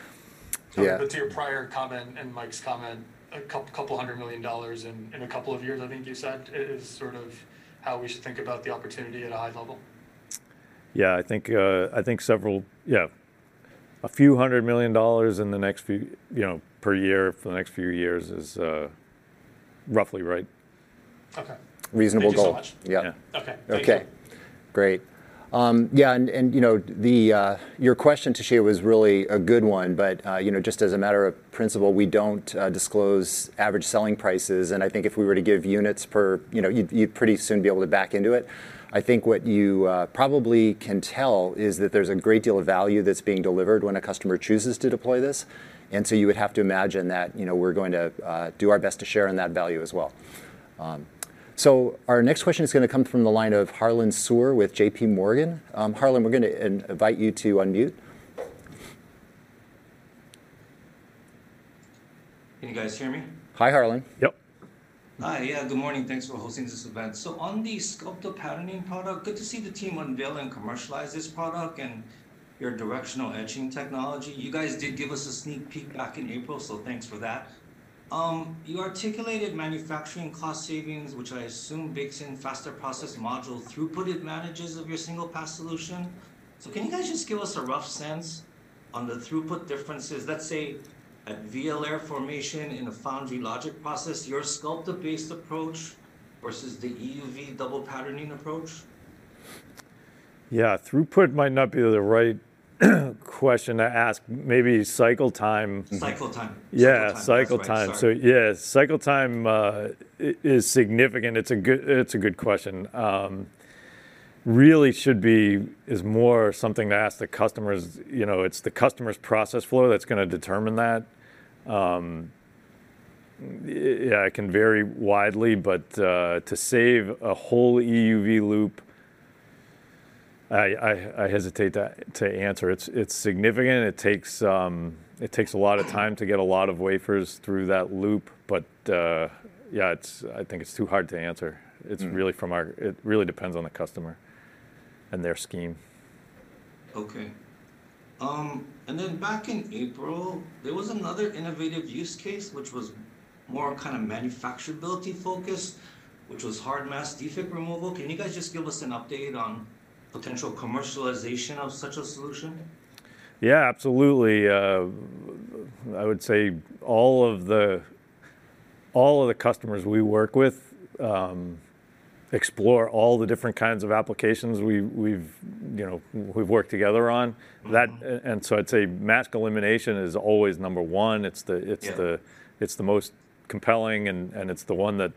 Yeah. To your prior comment and Mike's comment, a couple hundred million dollars in a couple of years, I think you said, is sort of how we should think about the opportunity at a high level? Yeah, I think. Yeah. A few hundred million dollars in the next few, you know, per year, for the next few years is roughly right. Okay. Reasonable goal. Thank you so much. Yeah. Okay. Okay. Thank you. Great. You know, your question, Toshiya, was really a good one. You know, just as a matter of principle, we don't disclose average selling prices, and I think if we were to give units per, you know, you'd pretty soon be able to back into it. I think what you probably can tell is that there's a great deal of value that's being delivered when a customer chooses to deploy this. You would have to imagine that, you know, we're going to do our best to share in that value as well. Our next question is gonna come from the line of Harlan Sur with JPMorgan. Harlan, we're gonna invite you to unmute. Can you guys hear me? Hi, Harlan. Yep. Hi. Yeah, good morning. Thanks for hosting this event. On the Sculpta patterning product, good to see the team unveil and commercialize this product and your directional etching technology. You guys did give us a sneak peek back in April, thanks for that. You articulated manufacturing cost savings, which I assume bakes in faster process module throughput advantages of your single-pass solution. Can you guys just give us a rough sense on the throughput differences, let’s say, at Via 0 formation in a foundry logic process, your Sculpta-based approach versus the EUV double patterning approach? Yeah, throughput might not be the right question to ask. Maybe cycle time- Cycle time. Yeah, cycle time. Sorry. Yeah, cycle time is significant. It's a good question. Is more something to ask the customers. You know, it's the customer's process flow that's gonna determine that. Yeah, it can vary widely, but to save a whole EUV loop, I hesitate to answer. It's significant. It takes a lot of time to get a lot of wafers through that loop, but yeah, I think it's too hard to answer. It really depends on the customer and their scheme. Okay. Back in April, there was another innovative use case, which was more kind of manufacturability focused, which was hard mask defect removal. Can you guys just give us an update on potential commercialization of such a solution? Yeah, absolutely. I would say all of the customers we work with, explore all the different kinds of applications we've, you know, we've worked together on. I'd say mask elimination is always number one. Yeah... it's the most compelling, and it's the one that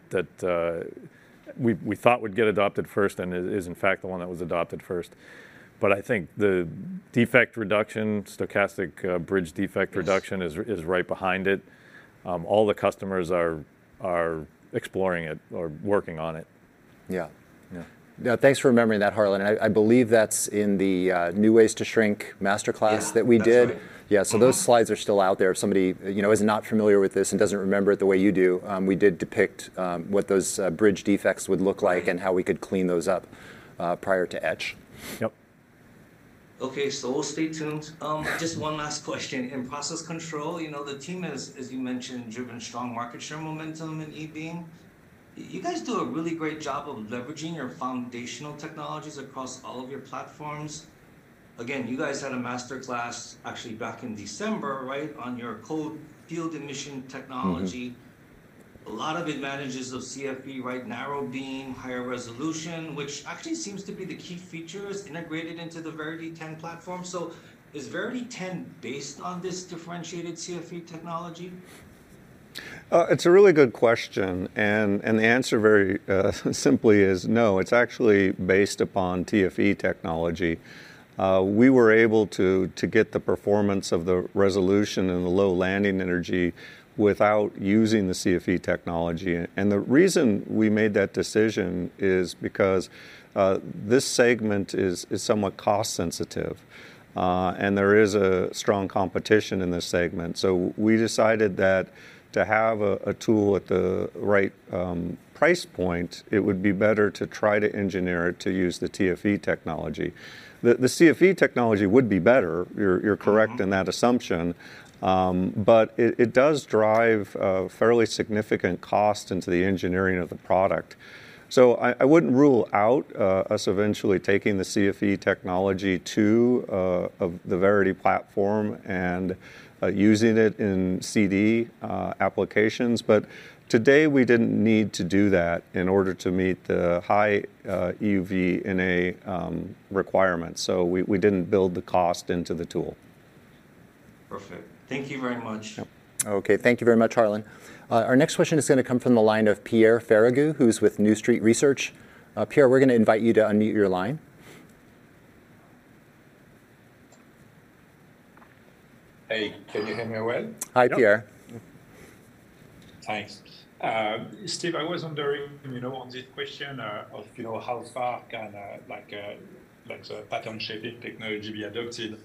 we thought would get adopted first, and is in fact the one that was adopted first. I think the defect reduction, stochastic bridge defect reduction. Yes... is right behind it. All the customers are exploring it or working on it. Yeah, thanks for remembering that, Harlan. I believe that's in the New Ways to Shrink masterclass. Yeah that we did. That's right. Yeah. Those slides are still out there. If somebody, you know, is not familiar with this and doesn't remember it the way you do, we did depict what those bridge defects would look like and how we could clean those up prior to etch. Yep. We'll stay tuned. Just one last question: in process control, you know, the team has, as you mentioned, driven strong market share momentum in eBeam. You guys do a really great job of leveraging your foundational technologies across all of your platforms. Again, you guys had a master class actually back in December, right, on your cold field emission technology. A lot of advantages of CFE, right? Narrow beam, higher resolution, which actually seems to be the key features integrated into the VeritySEM 10 platform. Is VeritySEM 10 based on this differentiated CFE technology? It's a really good question, and the answer very simply is no. It's actually based upon TFE technology. We were able to get the performance of the resolution and the low landing energy without using the CFE technology. The reason we made that decision is because this segment is somewhat cost sensitive, and there is a strong competition in this segment. We decided that to have a tool at the right price point, it would be better to try to engineer it to use the TFE technology. The CFE technology would be better, you're correct.in that assumption. It does drive a fairly significant cost into the engineering of the product. I wouldn't rule out us eventually taking the CFE technology to the Verity platform and using it in CD applications, but today, we didn't need to do that in order to meet the high EUV NA requirements. We didn't build the cost into the tool. Perfect. Thank you very much. Yep. Okay, thank you very much, Harlan. Our next question is going to come from the line of Pierre Ferragu, who's with New Street Research. Pierre, we're going to invite you to unmute your line. Hey, can you hear me well? Hi, Pierre. Thanks. Steve, I was wondering, you know, on this question, of, you know, how far can, like, the pattern shaping technology be adopted?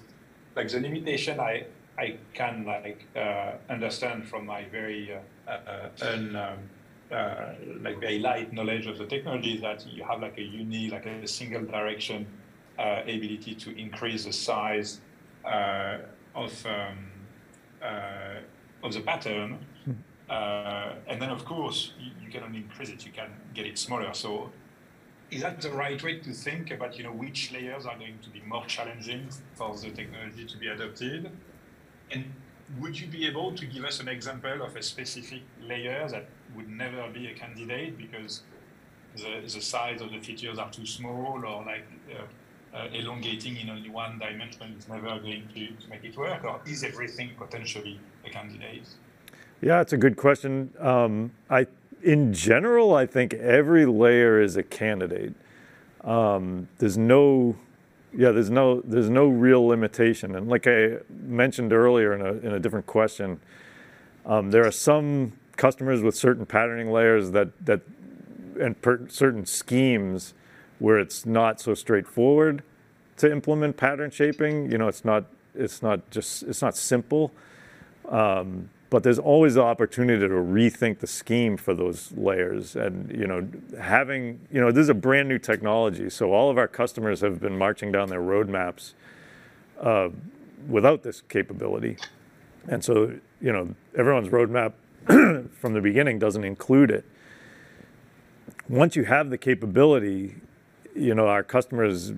Like, the limitation I can, like, understand from my very light knowledge of the technology, that you have, like, a single direction, ability to increase the size, of the pattern. Of course, you can only increase it, you can get it smaller. Is that the right way to think about, you know, which layers are going to be more challenging for the technology to be adopted? Would you be able to give us an example of a specific layer that would never be a candidate because the size of the features are too small, or like, elongating in only one dimension is never going to make it work? Is everything potentially a candidate? Yeah, it's a good question. In general, I think every layer is a candidate. Yeah, there's no real limitation. Like I mentioned earlier in a different question, there are some customers with certain patterning layers that certain schemes where it's not so straightforward to implement pattern shaping. You know, it's not simple, there's always the opportunity to rethink the scheme for those layers. You know, this is a brand-new technology, so all of our customers have been marching down their roadmaps without this capability. You know, everyone's roadmap from the beginning doesn't include it. Once you have the capability, you know, our customers.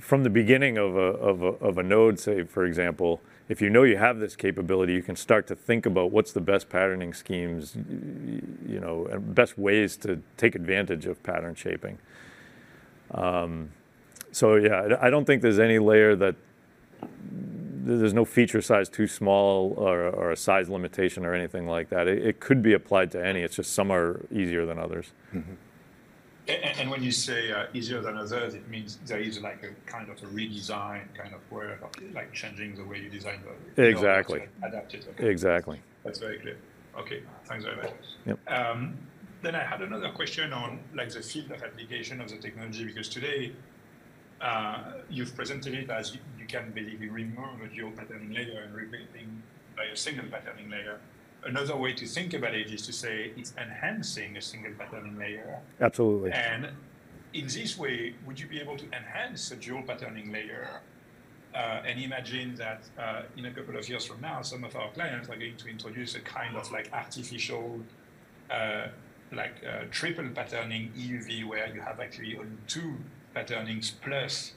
From the beginning of a node, say, for example, if you know you have this capability, you can start to think about what's the best patterning schemes, you know, and best ways to take advantage of pattern shaping. Yeah, I don't think there's any layer that. There's no feature size too small or a size limitation or anything like that. It could be applied to any, it's just some are easier than others. When you say, easier than others, it means there is, like, a kind of a redesign kind of work, like changing the way you design? Exactly. Adapt it. Exactly. That's very clear. Okay, thanks very much. Yep. I had another question on, like, the field of application of the technology, because today, you've presented it as you can basically remove your patterning layer and replacing by a single patterning layer. Another way to think about it is to say it's enhancing a single patterning layer. Absolutely. In this way, would you be able to enhance a dual patterning layer? Imagine that, in a couple of years from now, some of our clients are going to introduce a kind of like artificial, like, triple patterning EUV, where you have actually on two patternings, plus,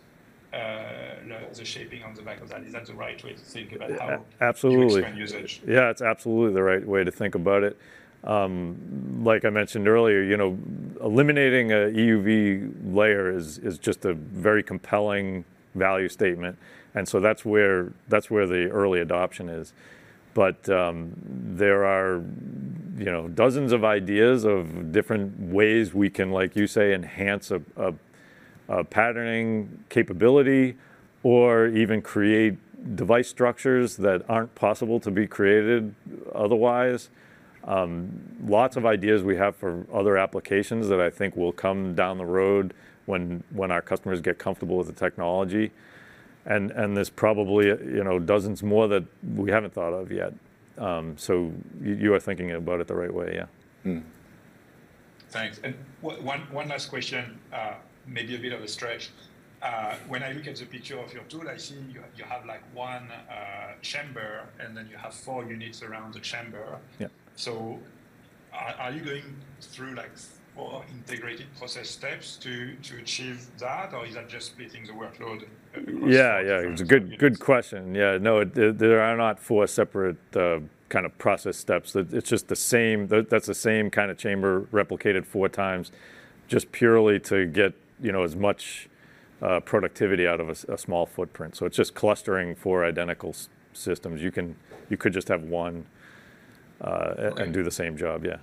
the shaping on the back of that. Is that the right way to think about? Absolutely you explain usage? Yeah, it's absolutely the right way to think about it. Like I mentioned earlier, you know, eliminating a EUV layer is just a very compelling value statement, that's where the early adoption is. There are, you know, dozens of ideas of different ways we can, like you say, enhance a patterning capability or even create device structures that aren't possible to be created otherwise. Lots of ideas we have for other applications that I think will come down the road when our customers get comfortable with the technology. There's probably, you know, dozens more that we haven't thought of yet. You are thinking about it the right way, yeah. Thanks. One last question, maybe a bit of a stretch. When I look at the picture of your tool, I see you have, like, one chamber, and then you have four units around the chamber. Yeah. Are you going through, like, four integrated process steps to achieve that, or is that just splitting the workload across? Yeah, yeah. Four units? It's a good question. No, there are not four separate kind of process steps. It's just the same kind of chamber replicated 4x, just purely to get, you know, as much productivity out of a small footprint. It's just clustering four identical systems. You could just have one, Right. Do the same job, yeah.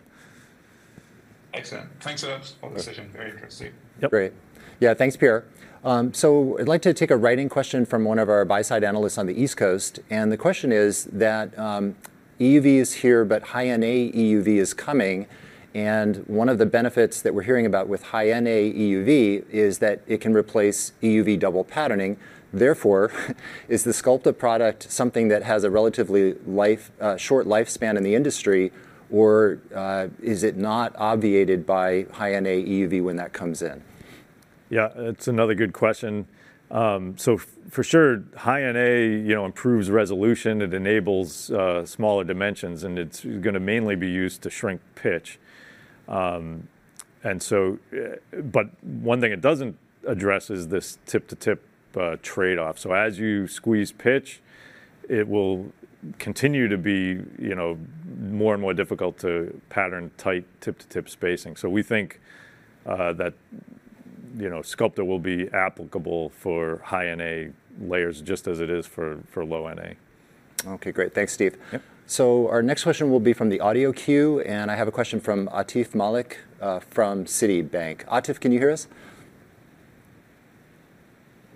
Excellent. Thanks a lot for the session. Very interesting. Yep. Great. Yeah, thanks, Pierre. I'd like to take a writing question from one of our buy-side analysts on the East Coast. The question is that, EUV is here, but high-NA EUV is coming. One of the benefits that we're hearing about with high-NA EUV is that it can replace EUV double patterning. Therefore, is the Sculpta product something that has a relatively short lifespan in the industry, or is it not obviated by high-NA EUV when that comes in? It's another good question. For sure, High-NA, you know, improves resolution, it enables smaller dimensions, and it's gonna mainly be used to shrink pitch. One thing it doesn't address is this tip-to-tip trade-off. As you squeeze pitch, it will continue to be, you know, more and more difficult to pattern tight tip-to-tip spacing. We think, that, you know, Sculpta will be applicable for High-NA layers just as it is for low-NA. Okay, great. Thanks, Steve. Yep. Our next question will be from the audio queue. I have a question from Atif Malik from Citi. Atif, can you hear us?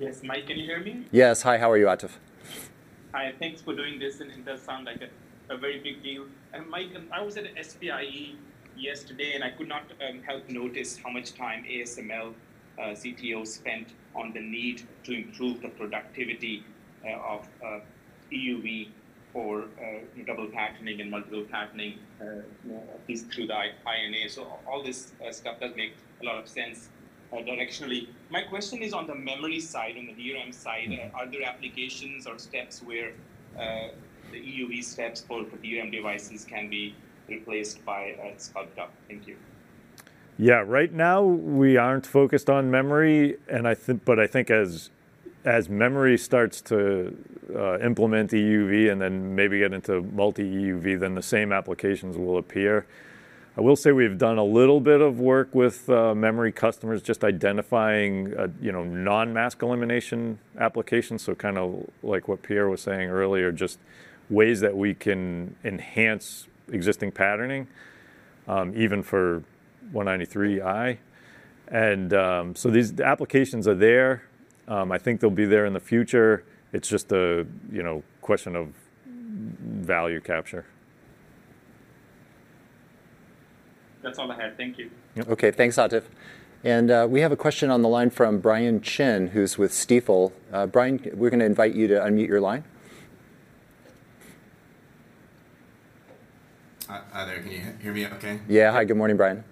Yes. Mike, can you hear me? Yes. Hi, how are you, Atif? Hi, thanks for doing this, and it does sound like a very big deal. Mike, I was at SPIE yesterday, and I could not help notice how much time ASML CTO spent on the need to improve the productivity of EUV for double patterning and multiple patterning, you know, at least through the high-NA. All this stuff does make a lot of sense directionally. My question is on the memory side, on the DRAM side. Are there applications or steps where the EUV steps for the DRAM devices can be replaced by Sculpta? Thank you. Yeah. Right now, we aren't focused on memory. I think as memory starts to implement EUV and then maybe get into multi-EUV, then the same applications will appear. I will say we've done a little bit of work with memory customers, just identifying, you know, non-mask elimination applications. Kind of like what Pierre was saying earlier, just ways that we can enhance existing patterning, even for 193i. So the applications are there. I think they'll be there in the future. It's just a, you know, question of value capture. That's all I had. Thank you. Yeah, okay, thanks, Atif. We have a question on the line from Brian Chin, who's with Stifel. Brian, we're gonna invite you to unmute your line. Hi. Hi there. Can you hear me okay? Yeah. Hi, good morning, Brian.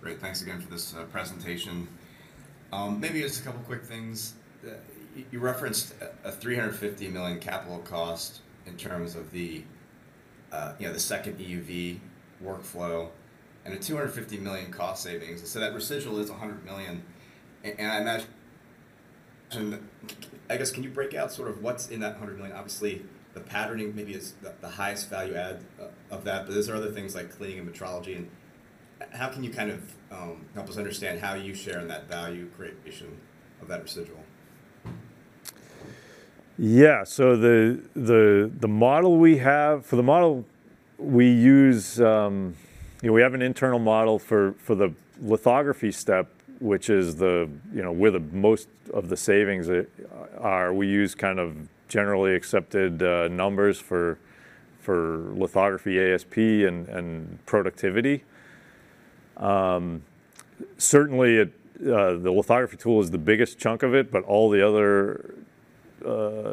Great. Thanks again for this presentation. Maybe just a couple quick things. You referenced a $350 million capital cost in terms of the, you know, the second EUV workflow, and a $250 million cost savings, so that residual is a $100 million. And, I guess, can you break out sort of what's in that $100 million? Obviously, the patterning maybe is the highest value add of that, but there's other things like cleaning and metrology, and how can you kind of help us understand how you share in that value creation of that residual? Yeah. For the model, we use. You know, we have an internal model for the lithography step, which is, you know, where most of the savings are. We use kind of generally accepted numbers for lithography ASP and productivity. Certainly, it the lithography tool is the biggest chunk of it, but all the other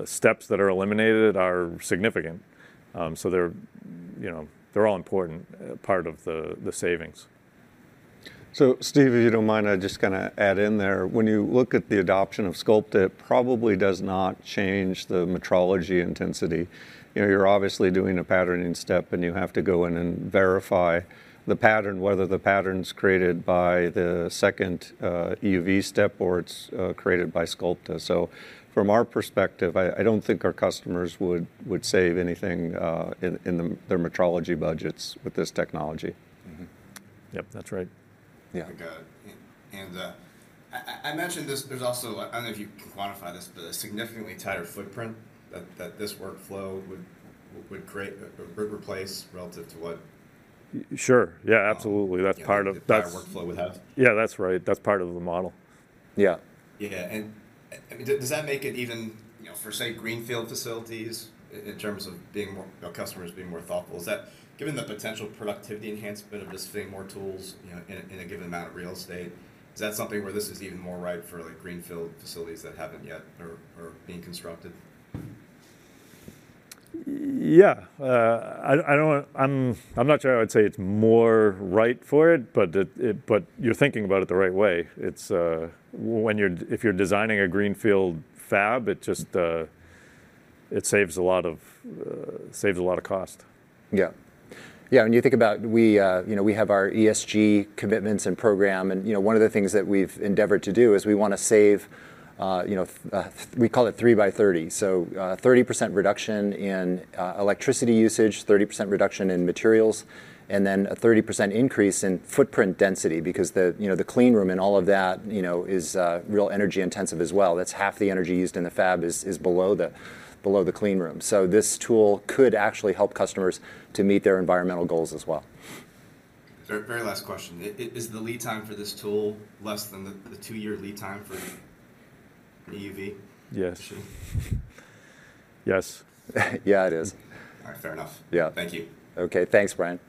steps that are eliminated are significant. They're, you know, they're all important part of the savings. Steve, if you don't mind, I'd just kinda add in there, when you look at the adoption of Sculpta, it probably does not change the metrology intensity. You know, you're obviously doing a patterning step, and you have to go in and verify the pattern, whether the pattern's created by the second EUV step or it's created by Sculpta. From our perspective, I don't think our customers would save anything in their metrology budgets with this technology. Yep, that's right. Yeah. Okay. And, I imagine this, there's also I don't know if you can quantify this, but a significantly tighter footprint that this workflow would create, replace relative to what... Sure.Yeah, absolutely. That's part of. The entire workflow would have. Yeah, that's right. That's part of the model. Yeah. Yeah, does that make it even, you know, for, say, greenfield facilities, in terms of being more, you know, customers being more thoughtful? Is that? Given the potential productivity enhancement of just fitting more tools, you know, in a given amount of real estate, is that something where this is even more ripe for, like, greenfield facilities that haven't yet or are being constructed? I'm not sure I would say it's more ripe for it, but you're thinking about it the right way. It's if you're designing a greenfield fab, it just, it saves a lot of cost. Yeah, when you think about we, you know, we have our ESG commitments and program, and, you know, one of the things that we've endeavored to do is we wanna save, you know, we call it 3x30, so, 30% reduction in electricity usage, 30% reduction in materials, and then a 30% increase in footprint density because the, you know, the clean room and all of that, you know, is real energy intensive as well. That's half the energy used in the fab is below the clean room. This tool could actually help customers to meet their environmental goals as well. Very, very last question: Is the lead time for this tool less than the two-year lead time for EUV? Yes. Yes. Yeah, it is. All right, fair enough. Yeah. Thank you. Okay, thanks, Brian.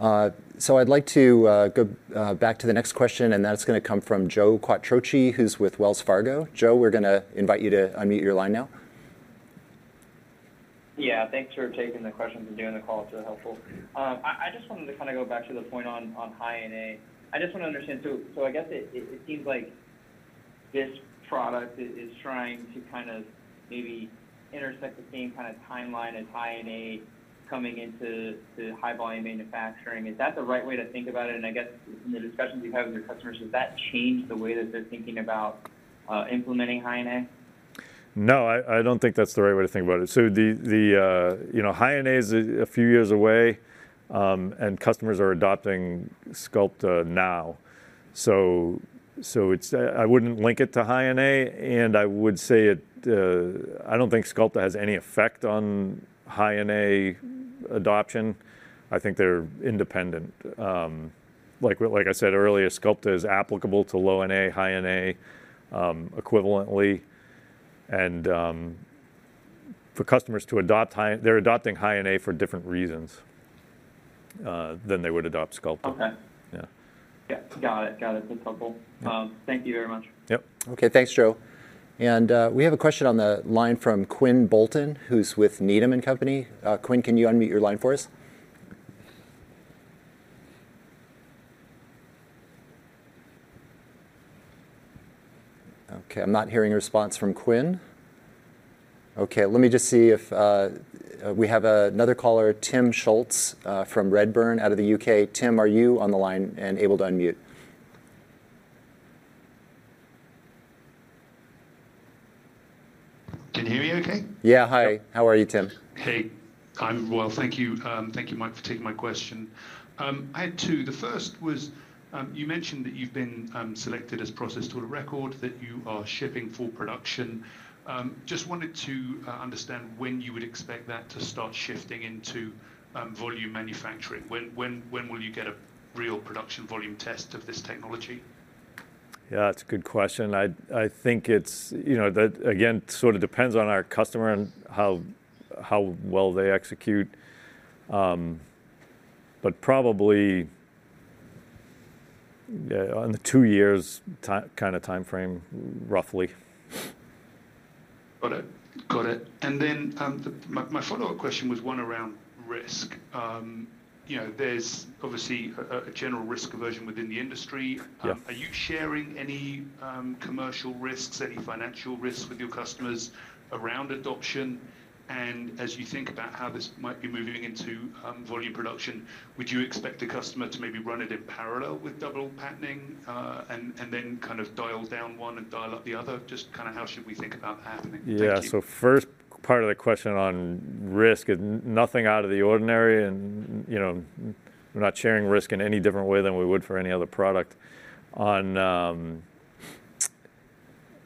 I'd like to go back to the next question, and that's gonna come from Joe Quatrochi, who's with Wells Fargo. Joe, we're gonna invite you to unmute your line now. Yeah, thanks for taking the questions and doing the call. It's really helpful. I just wanted to kind of go back to the point on High-NA. I just want to understand, so I guess it seems like this product is trying to kind of maybe intersect the same kind of timeline as High-NA coming into the high-volume manufacturing. Is that the right way to think about it? From the discussions you've had with your customers, does that change the way that they're thinking about implementing High-NA? No, I don't think that's the right way to think about it. The, you know, High-NA is a few years away, and customers are adopting Sculpta now. I wouldn't link it to High-NA, and I would say I don't think Sculpta has any effect on High-NA adoption. I think they're independent. Like I said earlier, Sculpta is applicable to Low NA, High-NA, equivalently, and for customers to adopt, they're adopting High-NA for different reasons than they would adopt Sculpta. Okay. Yeah. Yeah. Got it, got it. That's helpful. Yeah. Thank you very much. Yep. Okay, thanks, Joe. We have a question on the line from Quinn Bolton, who's with Needham & Company. Quinn, can you unmute your line for us? Okay, I'm not hearing a response from Quinn. Let me just see if we have another caller, Timm Schulze, from Redburn out of the U.K. Timm, are you on the line and able to unmute? Can you hear me okay? Yeah. Hi. Yeah. How are you, Timm? Hey, I'm well, thank you. Thank you, Mike, for taking my question. I had two. The first was, you mentioned that you've been selected as process tool of record, that you are shipping for production. Just wanted to understand when you would expect that to start shifting into volume manufacturing. When will you get a real production volume test of this technology? Yeah, that's a good question. I think it's, you know, that, again, sort of depends on our customer and how well they execute. Probably, yeah, on the two years kind of timeframe, roughly. Got it. Got it. My follow-up question was one around risk. You know, there's obviously a general risk aversion within the industry. Yeah. Are you sharing any commercial risks, any financial risks with your customers around adoption? As you think about how this might be moving into volume production, would you expect the customer to maybe run it in parallel with double patterning, and then kind of dial down one and dial up the other? Just kind of how should we think about that happening? Thank you. Yeah. First part of the question on risk is nothing out of the ordinary and, you know, we're not sharing risk in any different way than we would for any other product.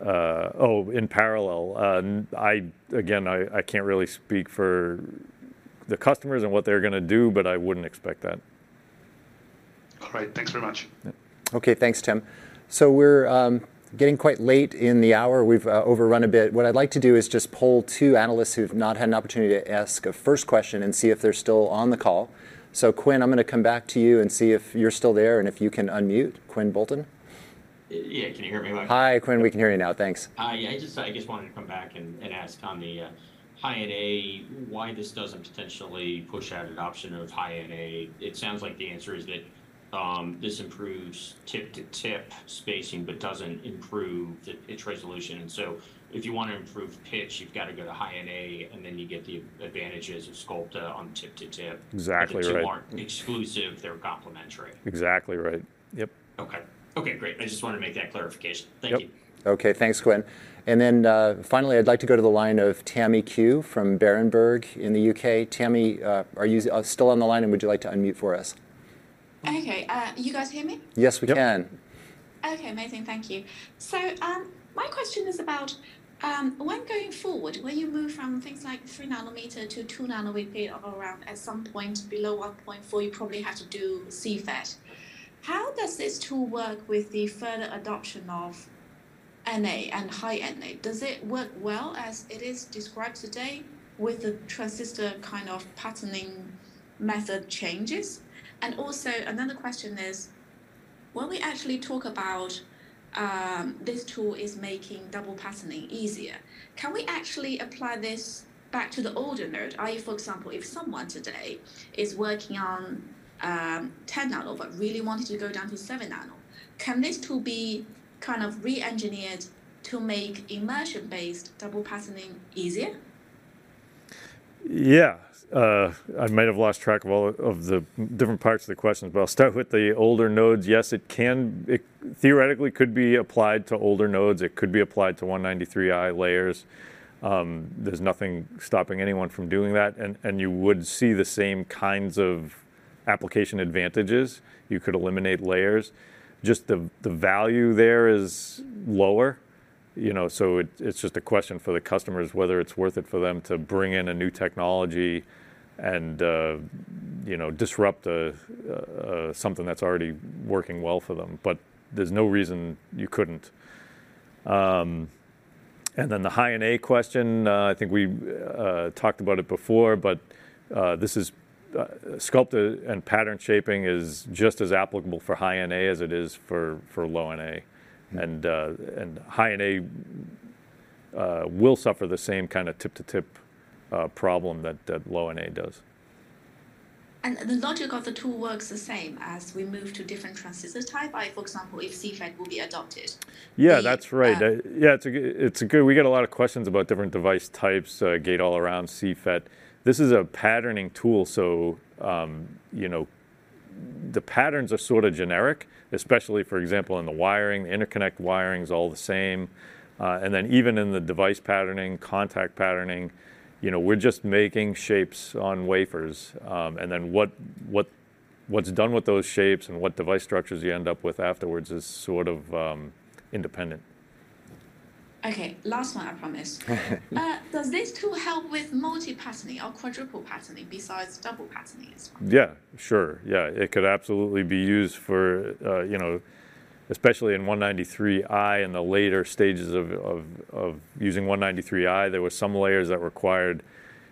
In parallel, I, again, I can't really speak for the customers and what they're gonna do, but I wouldn't expect that. All right. Thanks very much. Yeah. Thanks, Timm. We're getting quite late in the hour. We've overrun a bit. What I'd like to do is just pull two analysts who've not had an opportunity to ask a first question and see if they're still on the call. Quinn, I'm gonna come back to you and see if you're still there, and if you can unmute. Quinn Bolton? Yeah. Can you hear me okay? Hi, Quinn. We can hear you now. Thanks. Hi. Yeah, I just wanted to come back and ask on the High-NA, why this doesn't potentially push out an option of High-NA? It sounds like the answer is that this improves tip-to-tip spacing but doesn't improve the pitch resolution. So if you want to improve pitch, you've got to go to High-NA, then you get the advantages of Sculpta on tip-to-tip. Exactly right. The two aren't exclusive, they're complementary. Exactly right. Yep. Okay. Okay, great. I just wanted to make that clarification. Yep. Thank you. Okay. Thanks, Quinn. Finally, I'd like to go to the line of Tammy Qiu from Berenberg in the U.K. Tammy, are you still on the line, and would you like to unmute for us? Okay, you guys hear me? Yes, we can. We can. Okay, amazing. Thank you. My question is about when going forward, when you move from things like 3 nm to 2 nm around, at some point below 1.4 nm, you probably have to do CFET. How does this tool work with the further adoption of NA and High-NA? Does it work well as it is described today, with the transistor kind of patterning method changes? Also, another question is, when we actually talk about this tool is making double patterning easier, can we actually apply this back to the older node? i.e., for example, if someone today is working on 10 nm but really wanted to go down to 7 nm, can this tool be kind of re-engineered to make immersion-based double patterning easier? I might have lost track of all of the different parts of the question, but I'll start with the older nodes. Yes, it theoretically could be applied to older nodes. It could be applied to 193i layers. There's nothing stopping anyone from doing that, and you would see the same kinds of application advantages. You could eliminate layers. Just the value there is lower, you know, so it's just a question for the customers, whether it's worth it for them to bring in a new technology and, you know, disrupt a something that's already working well for them, but there's no reason you couldn't. The High-NA question, I think we talked about it before, but this is Sculpta and pattern shaping is just as applicable for High-NA as it is for low NA. High-NA will suffer the same kind of tip-to-tip problem that low NA does. The logic of the tool works the same as we move to different transistor type, i.e., for example, if CFET will be adopted? Yeah, that's right. Yeah, it's a good. We get a lot of questions about different device types, gate-all-around, CFET. This is a patterning tool, so, you know, the patterns are sort of generic, especially, for example, in the wiring, the interconnect wiring is all the same, and then even in the device patterning, contact patterning, you know, we're just making shapes on wafers. What's done with those shapes and what device structures you end up with afterwards is sort of independent. Okay, last one, I promise. Does this tool help with multi-patterning or quadruple patterning besides double patterning as well? Sure. It could absolutely be used for, you know, especially in 193i and the later stages of using 193i, there were some layers that required,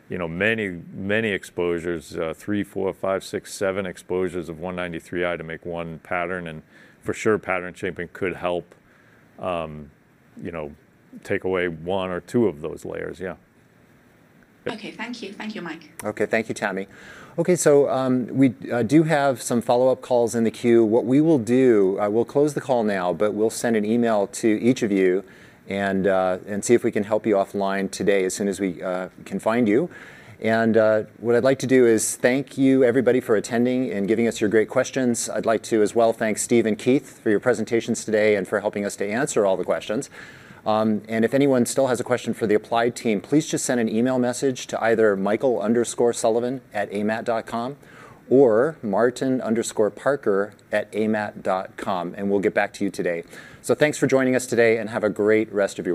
you know, many exposures, three, four, five, six, seven exposures of 193i to make one pattern. For sure, pattern shaping could help, you know, take away one or two of those layers. Okay, thank you. Thank you, Mike. Thank you, Tammy. We do have some follow-up calls in the queue. What we will do, we'll close the call now, but we'll send an email to each of you and see if we can help you offline today as soon as we can find you. What I'd like to do is thank you everybody for attending and giving us your great questions. I'd like to as well thank Steve and Keith for your presentations today and for helping us to answer all the questions. If anyone still has a question for the Applied team, please just send an email message to either michael_sullivan@amat.com or martin_parker@amat.com, and we'll get back to you today. Thanks for joining us today, and have a great rest of your day.